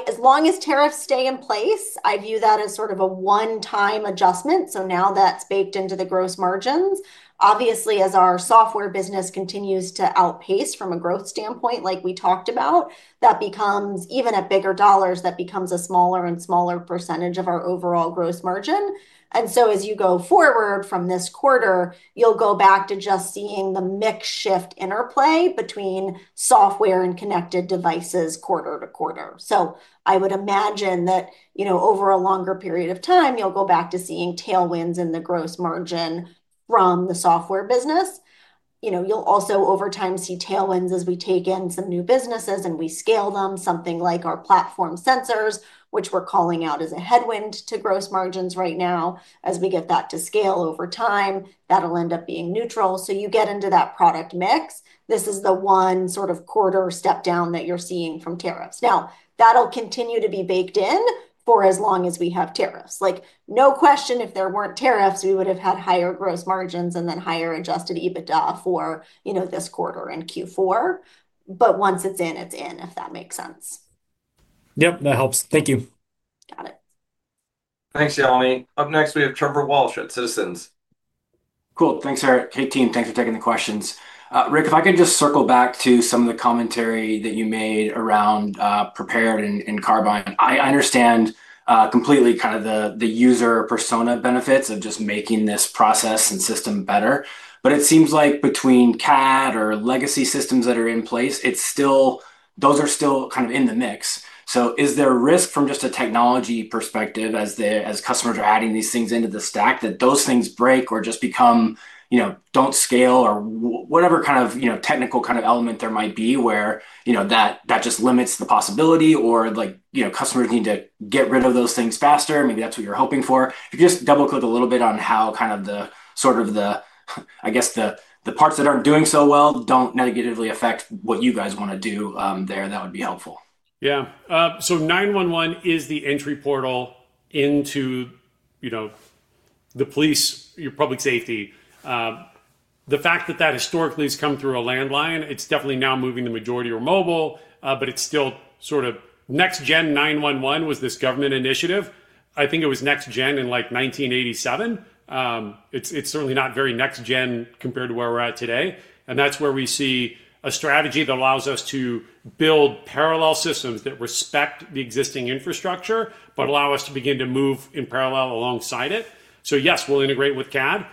As long as tariffs stay in place, I view that as sort of a one-time adjustment. So now that's baked into the gross margins. Obviously, as our software business continues to outpace from a growth standpoint, like we talked about, that becomes even at bigger dollars, that becomes a smaller and smaller percentage of our overall gross margin. And so as you go forward from this quarter, you'll go back to just seeing the mixed shift interplay between software and connected devices quarter to quarter. So I would imagine that over a longer period of time, you'll go back to seeing tailwinds in the gross margin from the software business. You'll also over time see tailwinds as we take in some new businesses and we scale them, something like our platform sensors, which we're calling out as a headwind to gross margins right now. As we get that to scale over time, that'll end up being neutral. So you get into that product mix. This is the one sort of quarter step down that you're seeing from tariffs. Now, that'll continue to be baked in for as long as we have tariffs. No question if there weren't tariffs, we would have had higher gross margins and then higher Adjusted EBITDA for this quarter in Q4. But once it's in, it's in, if that makes sense. Yep, that helps. Thank you. Thanks, Yanni. Up next, we have Trevor Walsh at Citizens. Cool. Thanks, Erik. Hey, team, thanks for taking the questions. Rick, if I could just circle back to some of the commentary that you made around Prepared and Carbyne. I understand completely kind of the user persona benefits of just making this process and system better. But it seems like between CAD or legacy systems that are in place, those are still kind of in the mix. So is there a risk from just a technology perspective as customers are adding these things into the stack that those things break or just become don't scale or whatever kind of technical kind of element there might be where that just limits the possibility or customers need to get rid of those things faster? Maybe that's what you're hoping for. If you just double-click a little bit on how kind of the sort of the, I guess, the parts that aren't doing so well don't negatively affect what you guys want to do there, that would be helpful. Yeah. So 911 is the entry portal into the police, your public safety. The fact that that historically has come through a landline, it's definitely now moving the majority removal, but it's still sort of Next-Gen 911 was this government initiative. I think it was Next-Gen in like 1987. It's certainly not very next-gen compared to where we're at today, and that's where we see a strategy that allows us to build parallel systems that respect the existing infrastructure, but allow us to begin to move in parallel alongside it. So yes, we'll integrate with CAD.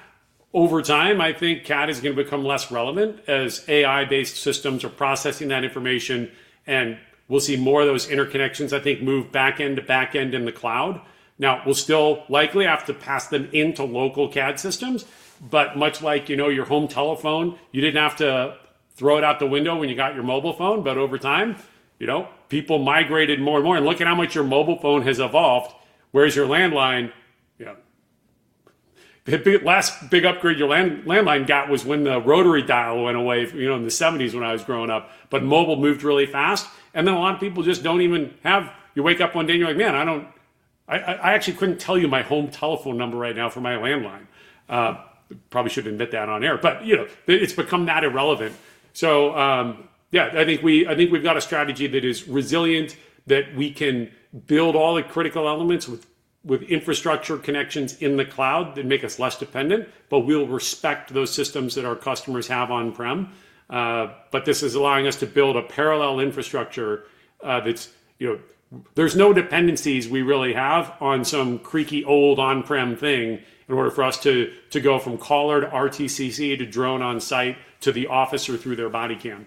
Over time, I think CAD is going to become less relevant as AI-based systems are processing that information, and we'll see more of those interconnections, I think, move back end to back end in the cloud. Now, we'll still likely have to pass them into local CAD systems, but much like your home telephone, you didn't have to throw it out the window when you got your mobile phone, but over time, people migrated more and more, and look at how much your mobile phone has evolved. Where is your landline, yeah, the last big upgrade your landline got was when the rotary dial went away in the '70s when I was growing up, but mobile moved really fast, and then a lot of people just don't even have. You wake up one day and you're like, "Man, I don't. I actually couldn't tell you my home telephone number right now for my landline." Probably shouldn't admit that on air, but it's become that irrelevant. So yeah, I think we've got a strategy that is resilient, that we can build all the critical elements with infrastructure connections in the cloud that make us less dependent, but we'll respect those systems that our customers have on-prem, but this is allowing us to build a parallel infrastructure. There's no dependencies we really have on some creaky old on-prem thing in order for us to go from caller to RTCC to drone on site to the office or through their body cam.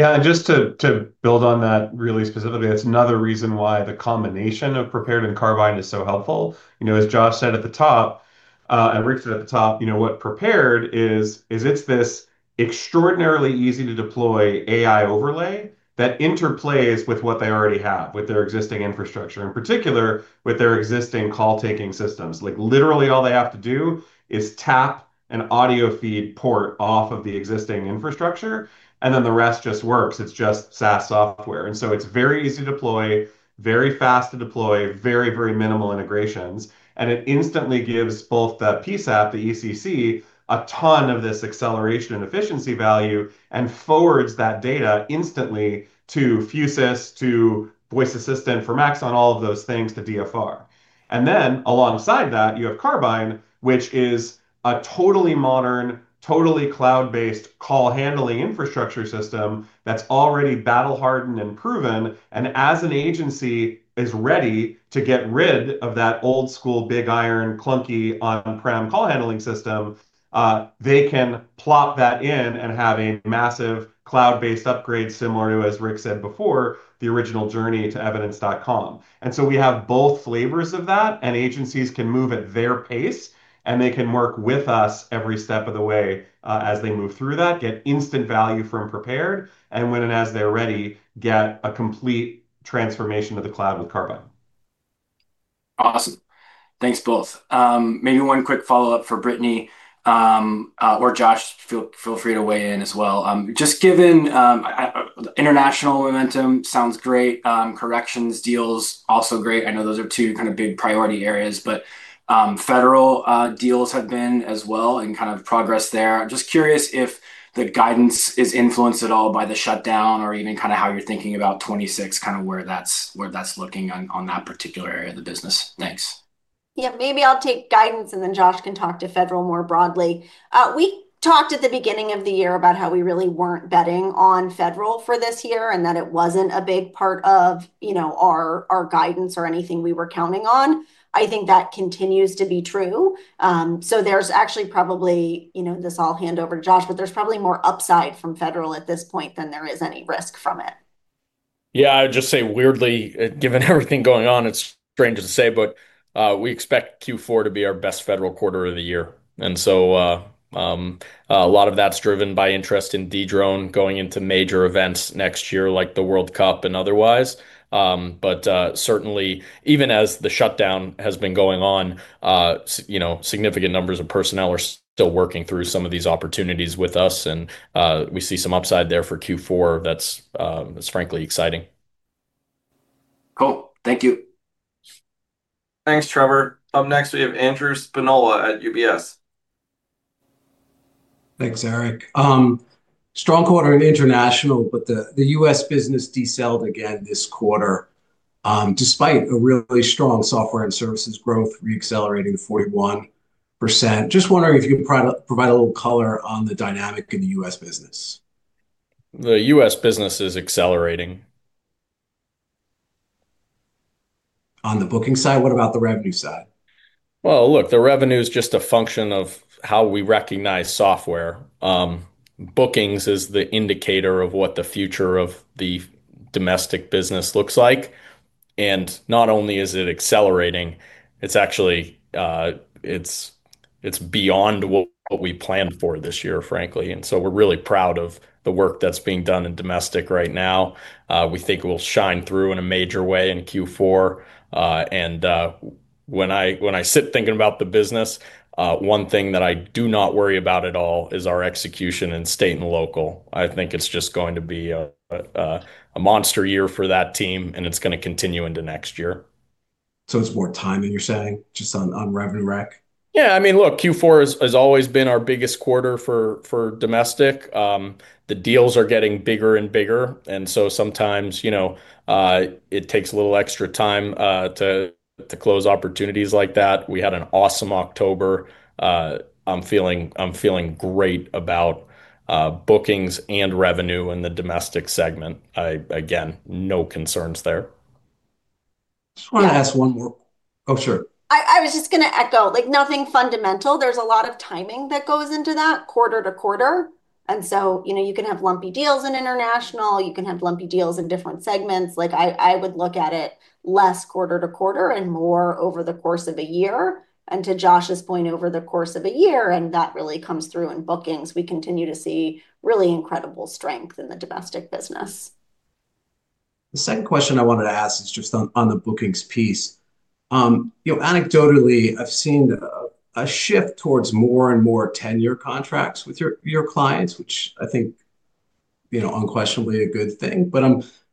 Yeah, and just to build on that really specifically, that's another reason why the combination of Prepared and Carbyne is so helpful. As Josh said at the top. And Rick said at the top, what Prepared is it's this extraordinarily easy to deploy AI overlay that interplays with what they already have, with their existing infrastructure, in particular with their existing call-taking systems. Literally, all they have to do is tap an audio feed port off of the existing infrastructure, and then the rest just works. It's just SaaS software. And so it's very easy to deploy, very fast to deploy, very, very minimal integrations. And it instantly gives both the PSAP, the ECC, a ton of this acceleration and efficiency value and forwards that data instantly to Fusus, to Voice Assistant for Max, on all of those things to DFR. And then alongside that, you have Carbyne, which is a totally modern, totally cloud-based call-handling infrastructure system that's already battle-hardened and proven. And as an agency is ready to get rid of that old-school big iron clunky on-prem call-handling system, they can plop that in and have a massive cloud-based upgrade similar to, as Rick said before, the original journey to evidence.com. And so we have both flavors of that, and agencies can move at their pace, and they can work with us every step of the way as they move through that, get instant value from Prepared, and when and as they're ready, get a complete transformation of the cloud with Carbyne. Awesome. Thanks both. Maybe one quick follow-up for Brittany. Or Josh, feel free to weigh in as well. International momentum sounds great. Corrections deals also great. I know those are two kind of big priority areas, but federal deals have been as well and kind of progress there. I'm just curious if the guidance is influenced at all by the shutdown or even kind of how you're thinking about 2026, kind of where that's looking on that particular area of the business. Thanks. Yeah, maybe I'll take guidance, and then Josh can talk to federal more broadly. We talked at the beginning of the year about how we really weren't betting on federal for this year and that it wasn't a big part of our guidance or anything we were counting on. I think that continues to be true. So there's actually probably, this I'll hand over to Josh, but there's probably more upside from federal at this point than there is any risk from it. Yeah, I would just say weirdly, given everything going on, it's strange to say, but we expect Q4 to be our best federal quarter of the year, and so a lot of that's driven by interest in Dedrone going into major events next year like the World Cup and otherwise, but certainly, even as the shutdown has been going on, significant numbers of personnel are still working through some of these opportunities with us, and we see some upside there for Q4. That's frankly exciting. Cool. Thank you. Thanks, Trevor. Up next, we have Andrew Spinola at UBS. Thanks, Eric. Strong quarter in international, but the U.S. business decelerated again this quarter. Despite a really strong software and services growth, re-accelerating to 41%. Just wondering if you can provide a little color on the dynamics in the U.S. business. The U.S. business is accelerating. On the booking side, what about the revenue side? Look, the revenue is just a function of how we recognize software. Bookings is the indicator of what the future of the domestic business looks like. And not only is it accelerating, it's actually. It's beyond what we planned for this year, frankly. And so we're really proud of the work that's being done in domestic right now. We think it will shine through in a major way in Q4. And when I sit thinking about the business. One thing that I do not worry about at all is our execution in state and local. I think it's just going to be a monster year for that team, and it's going to continue into next year. So it's more time, you're saying, just on revenue rec? Yeah. I mean, look, Q4 has always been our biggest quarter for domestic. The deals are getting bigger and bigger. And so sometimes it takes a little extra time to close opportunities like that. We had an awesome October. I'm feeling great about bookings and revenue in the domestic segment. Again, no concerns there. I just want to ask one more. Oh, sure. I was just going to echo nothing fundamental. There's a lot of timing that goes into that quarter to quarter. And so you can have lumpy deals in international. You can have lumpy deals in different segments. I would look at it less quarter to quarter and more over the course of a year. And to Josh's point, over the course of a year, and that really comes through in bookings, we continue to see really incredible strength in the domestic business. The second question I wanted to ask is just on the bookings piece. Anecdotally, I've seen a shift towards more and more ten-year contracts with your clients, which I think. Unquestionably a good thing. But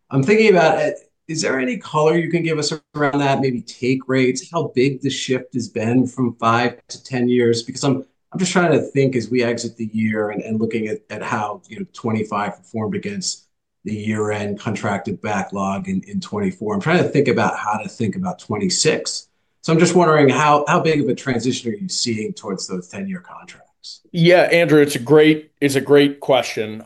I'm thinking about, is there any color you can give us around that? Maybe take rates, how big the shift has been from 5 to 10 years? Because I'm just trying to think as we exit the year and looking at how 2025 performed against the year-end contracted backlog in 2024. I'm trying to think about how to think about 2026. So I'm just wondering, how big of a transition are you seeing towards those ten-year contracts? Yeah, Andrew, it's a great question.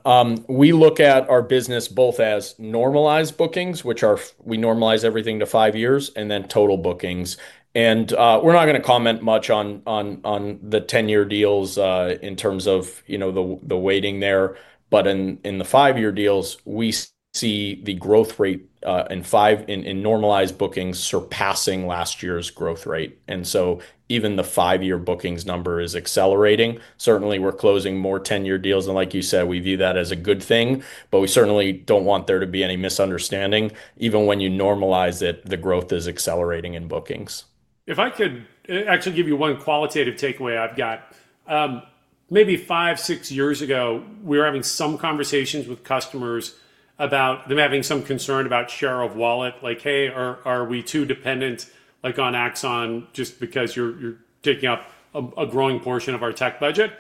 We look at our business both as normalized bookings, which we normalize everything to five years, and then total bookings. And we're not going to comment much on the ten-year deals in terms of the weighting there. But in the five-year deals, we see the growth rate in normalized bookings surpassing last year's growth rate. And so even the five-year bookings number is accelerating. Certainly, we're closing more ten-year deals. And like you said, we view that as a good thing, but we certainly don't want there to be any misunderstanding. Even when you normalize it, the growth is accelerating in bookings. If I could actually give you one qualitative takeaway I've got. Maybe five, six years ago, we were having some conversations with customers about them having some concern about share of wallet. Like, hey, are we too dependent on Axon just because you're taking up a growing portion of our tech budget?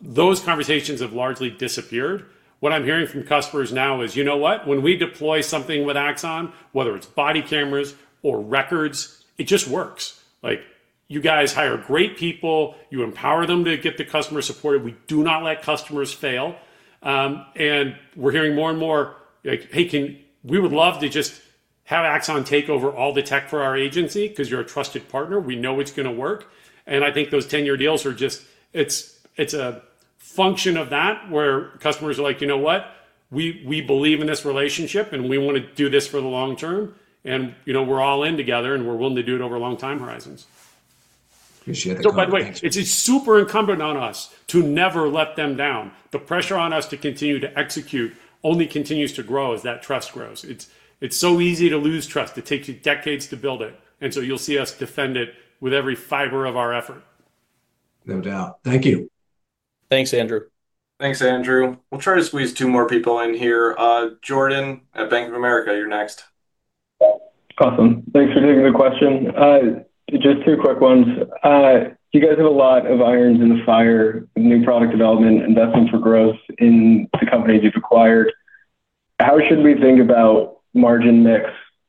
Those conversations have largely disappeared. What I'm hearing from customers now is, you know what? When we deploy something with Axon, whether it's body cameras or records, it just works. You guys hire great people. You empower them to get the customer supported. We do not let customers fail. And we're hearing more and more like, hey, we would love to just have Axon take over all the tech for our agency because you're a trusted partner. We know it's going to work. And I think those ten-year deals are just, it's a function of that where customers are like, you know what? We believe in this relationship, and we want to do this for the long term. And we're all in together, and we're willing to do it over long time horizons. Appreciate the comment. So by the way, it's super incumbent on us to never let them down. The pressure on us to continue to execute only continues to grow as that trust grows. It's so easy to lose trust. It takes you decades to build it. And so you'll see us defend it with every fiber of our effort. No doubt. Thank you. Thanks, Andrew. Thanks, Andrew. We'll try to squeeze two more people in here. Jordan at Bank of America, you're next. Awesome. Thanks for taking the question. Just two quick ones. You guys have a lot of irons in the fire, new product development, investment for growth in the companies you've acquired. How should we think about margin mix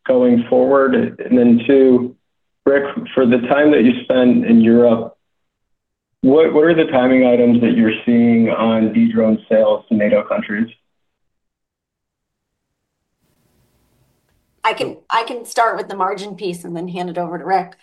going forward? And then two, Rick, for the time that you spend in Europe, what are the timing items that you're seeing on Dedrone sales to NATO countries? I can start with the margin piece and then hand it over to Rick.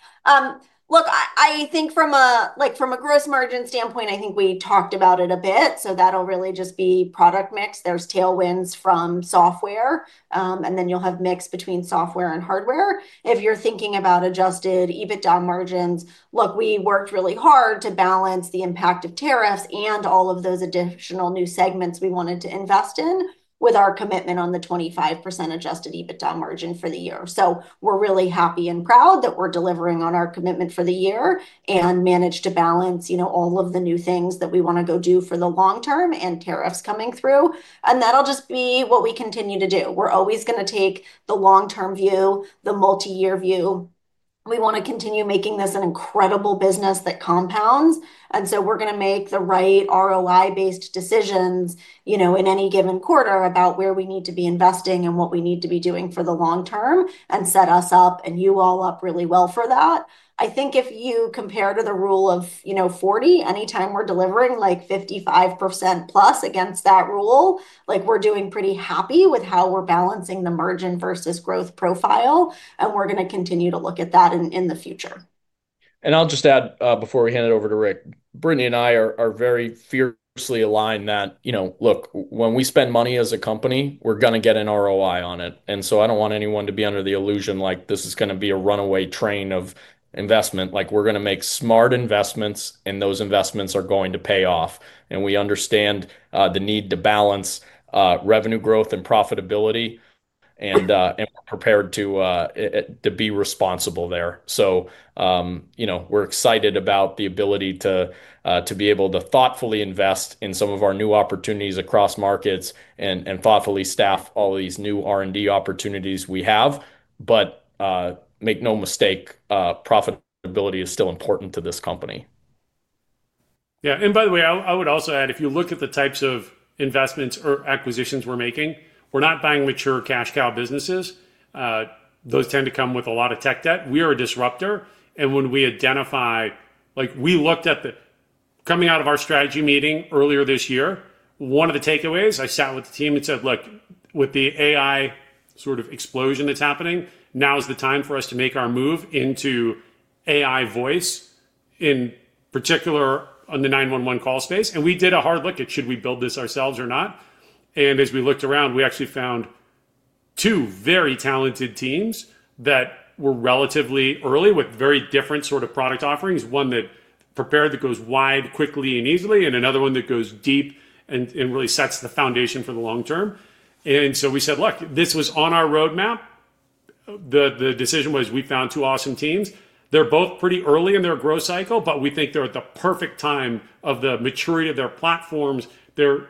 Look, I think from a gross margin standpoint, I think we talked about it a bit. So that'll really just be product mix. There's tailwinds from software, and then you'll have mix between software and hardware. If you're thinking about Adjusted EBITDA margins, look, we worked really hard to balance the impact of tariffs and all of those additional new segments we wanted to invest in with our commitment on the 25% Adjusted EBITDA margin for the year. So we're really happy and proud that we're delivering on our commitment for the year and managed to balance all of the new things that we want to go do for the long term and tariffs coming through. And that'll just be what we continue to do. We're always going to take the long-term view, the multi-year view. We want to continue making this an incredible business that compounds. And so we're going to make the right ROI-based decisions in any given quarter about where we need to be investing and what we need to be doing for the long term and set us up and you all up really well for that. I think if you compare to the Rule of 40, anytime we're delivering like 55% plus against that rule, we're doing pretty happy with how we're balancing the margin versus growth profile. And we're going to continue to look at that in the future. And I'll just add before we hand it over to Rick, Brittany and I are very fiercely aligned that, look, when we spend money as a company, we're going to get an ROI on it. And so I don't want anyone to be under the illusion like this is going to be a runaway train of investment. We're going to make smart investments, and those investments are going to pay off. And we understand the need to balance revenue growth and profitability. And we're prepared to be responsible there. So, we're excited about the ability to be able to thoughtfully invest in some of our new opportunities across markets and thoughtfully staff all these new R&D opportunities we have. But make no mistake, profitability is still important to this company. Yeah. And by the way, I would also add, if you look at the types of investments or acquisitions we're making, we're not buying mature cash cow businesses. Those tend to come with a lot of tech debt. We are a disruptor. And when we identify, we looked at the coming out of our strategy meeting earlier this year, one of the takeaways, I sat with the team and said, look, with the AI sort of explosion that's happening, now is the time for us to make our move into AI voice, in particular, on the 911 call space. And we did a hard look at should we build this ourselves or not. And as we looked around, we actually found two very talented teams that were relatively early with very different sort of product offerings. One that Prepared that goes wide quickly and easily, and another one that goes deep and really sets the foundation for the long term. And so we said, look, this was on our roadmap. The decision was we found two awesome teams. They're both pretty early in their growth cycle, but we think they're at the perfect time of the maturity of their platforms. They're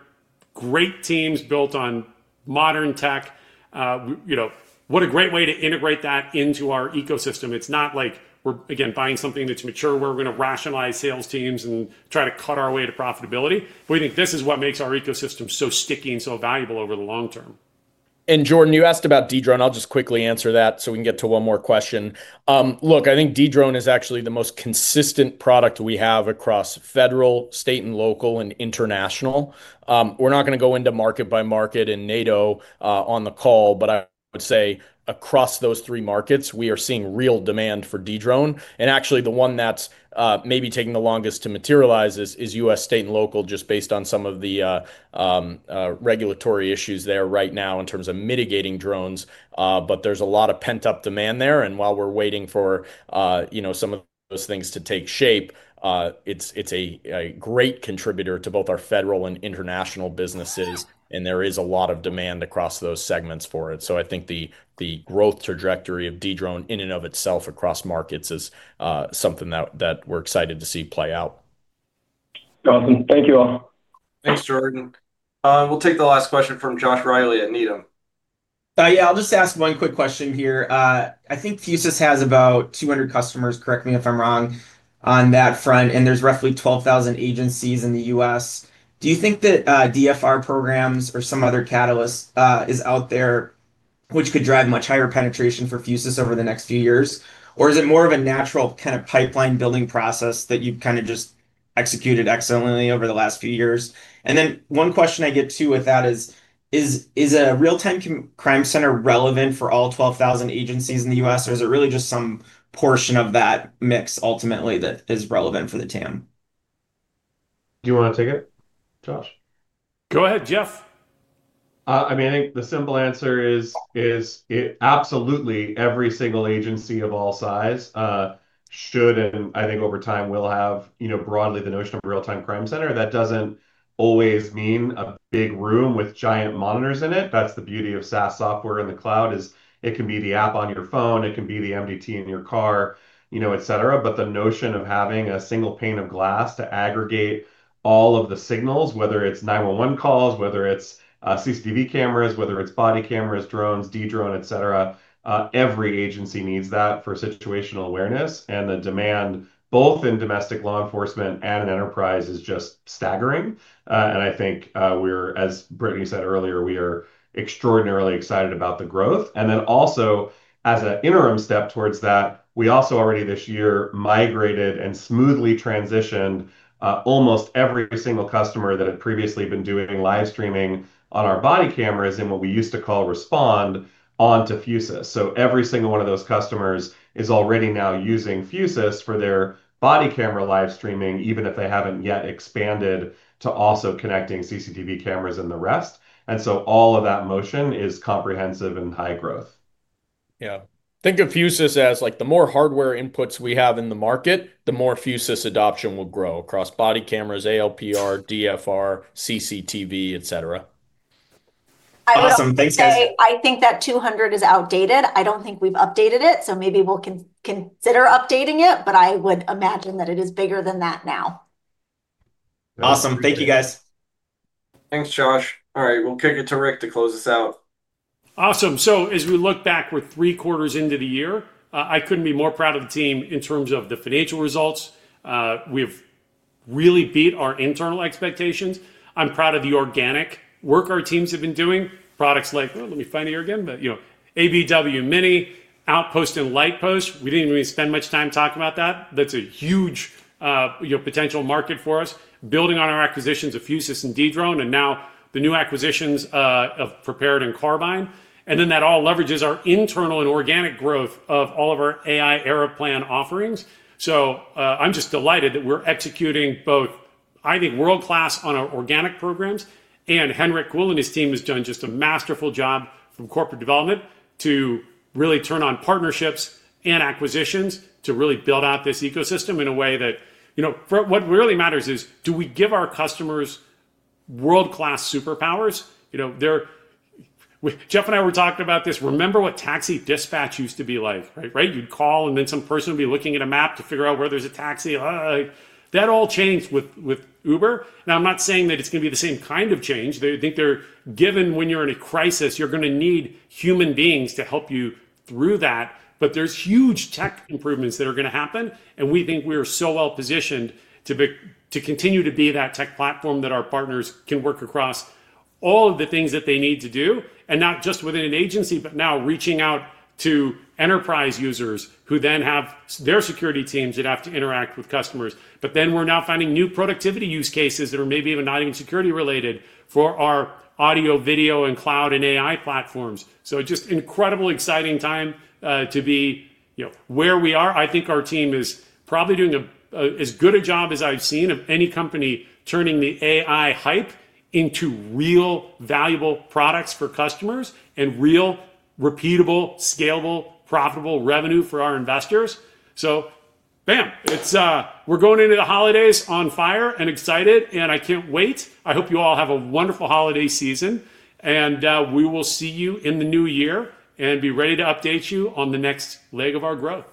great teams built on modern tech. What a great way to integrate that into our ecosystem. It's not like we're, again, buying something that's mature where we're going to rationalize sales teams and try to cut our way to profitability. We think this is what makes our ecosystem so sticky and so valuable over the long term. And Jordan, you asked about Dedrone. I'll just quickly answer that so we can get to one more question. Look, I think Dedrone is actually the most consistent product we have across federal, state, and local, and international. We're not going to go into market by market and name them on the call, but I would say across those three markets, we are seeing real demand for Dedrone. And actually, the one that's maybe taking the longest to materialize is U.S., state, and local, just based on some of the regulatory issues there right now in terms of mitigating drones. But there's a lot of pent-up demand there. And while we're waiting for some of those things to take shape, it's a great contributor to both our federal and international businesses. And there is a lot of demand across those segments for it. So I think the growth trajectory of Dedrone in and of itself across markets is something that we're excited to see play out. Awesome. Thank you all. Thanks, Jordan. We'll take the last question from Joshua Reilly at Needham. Yeah, I'll just ask one quick question here. I think Fusus has about 200 customers, correct me if I'm wrong, on that front. And there's roughly 12,000 agencies in the U.S. Do you think that DFR programs or some other catalyst is out there which could drive much higher penetration for Fusus over the next few years? Or is it more of a natural kind of pipeline building process that you've kind of just executed excellently over the last few years? And then one question I get too with that is, is a real-time crime center relevant for all 12,000 agencies in the U.S., or is it really just some portion of that mix ultimately that is relevant for the TAM? Do you want to take it, Josh? Go ahead, Jeff. I mean, I think the simple answer is: Absolutely every single agency of all size should, and I think over time will, have broadly the notion of a real-time crime center. That doesn't always mean a big room with giant monitors in it. That's the beauty of SaaS software in the cloud is it can be the app on your phone. It can be the MDT in your car, et cetera. But the notion of having a single pane of glass to aggregate all of the signals, whether it's 911 calls, whether it's CCTV cameras, whether it's body cameras, drones, Dedrone, et cetera, every agency needs that for situational awareness. And the demand, both in domestic law enforcement and in enterprise, is just staggering. And I think, as Brittany said earlier, we are extraordinarily excited about the growth. And then also, as an interim step towards that, we also already this year migrated and smoothly transitioned almost every single customer that had previously been doing live streaming on our body cameras in what we used to call Respond onto Fusus. So every single one of those customers is already now using Fusus for their body camera live streaming, even if they haven't yet expanded to also connecting CCTV cameras and the rest. And so all of that motion is comprehensive and high growth. Yeah. Think of Fusus as the more hardware inputs we have in the market, the more Fusus adoption will grow across body cameras, ALPR, DFR, CCTV, et cetera. Awesome. Thanks, guys. I think that 200 is outdated. I don't think we've updated it. So maybe we'll consider updating it, but I would imagine that it is bigger than that now. Awesome. Thank you, guys. Thanks, Josh. All right. We'll kick it to Rick to close this out. Awesome. So as we look back, we're three quarters into the year. I couldn't be more proud of the team in terms of the financial results. We've really beat our internal expectations. I'm proud of the organic work our teams have been doing. Products like, let me find it here again, but ABW Mini, Outpost, and Lightpost. We didn't even spend much time talking about that. That's a huge potential market for us. Building on our acquisitions of Fusus and Dedrone, and now the new acquisitions of Prepared and Carbyne. And then that all leverages our internal and organic growth of all of our AI Aeroplan offerings. So I'm just delighted that we're executing both, I think, world-class on our organic programs. And Henrik Kühl and his team have done just a masterful job from corporate development to really turn on partnerships and acquisitions to really build out this ecosystem in a way that. What really matters is, do we give our customers world-class superpowers? Jeff and I were talking about this. Remember what taxi dispatch used to be like, right? You'd call, and then some person would be looking at a map to figure out where there's a taxi. That all changed with Uber. Now, I'm not saying that it's going to be the same kind of change. I think they're given when you're in a crisis, you're going to need human beings to help you through that. But there's huge tech improvements that are going to happen. And we think we are so well positioned to continue to be that tech platform that our partners can work across all of the things that they need to do, and not just within an agency, but now reaching out to enterprise users who then have their security teams that have to interact with customers. But then we're now finding new productivity use cases that are maybe even not even security-related for our audio, video, and cloud and AI platforms. So just an incredibly exciting time to be where we are. I think our team is probably doing as good a job as I've seen of any company turning the AI hype into real valuable products for customers and real repeatable, scalable, profitable revenue for our investors. So bam, we're going into the holidays on fire and excited, and I can't wait. I hope you all have a wonderful holiday season. And we will see you in the new year and be ready to update you on the next leg of our growth.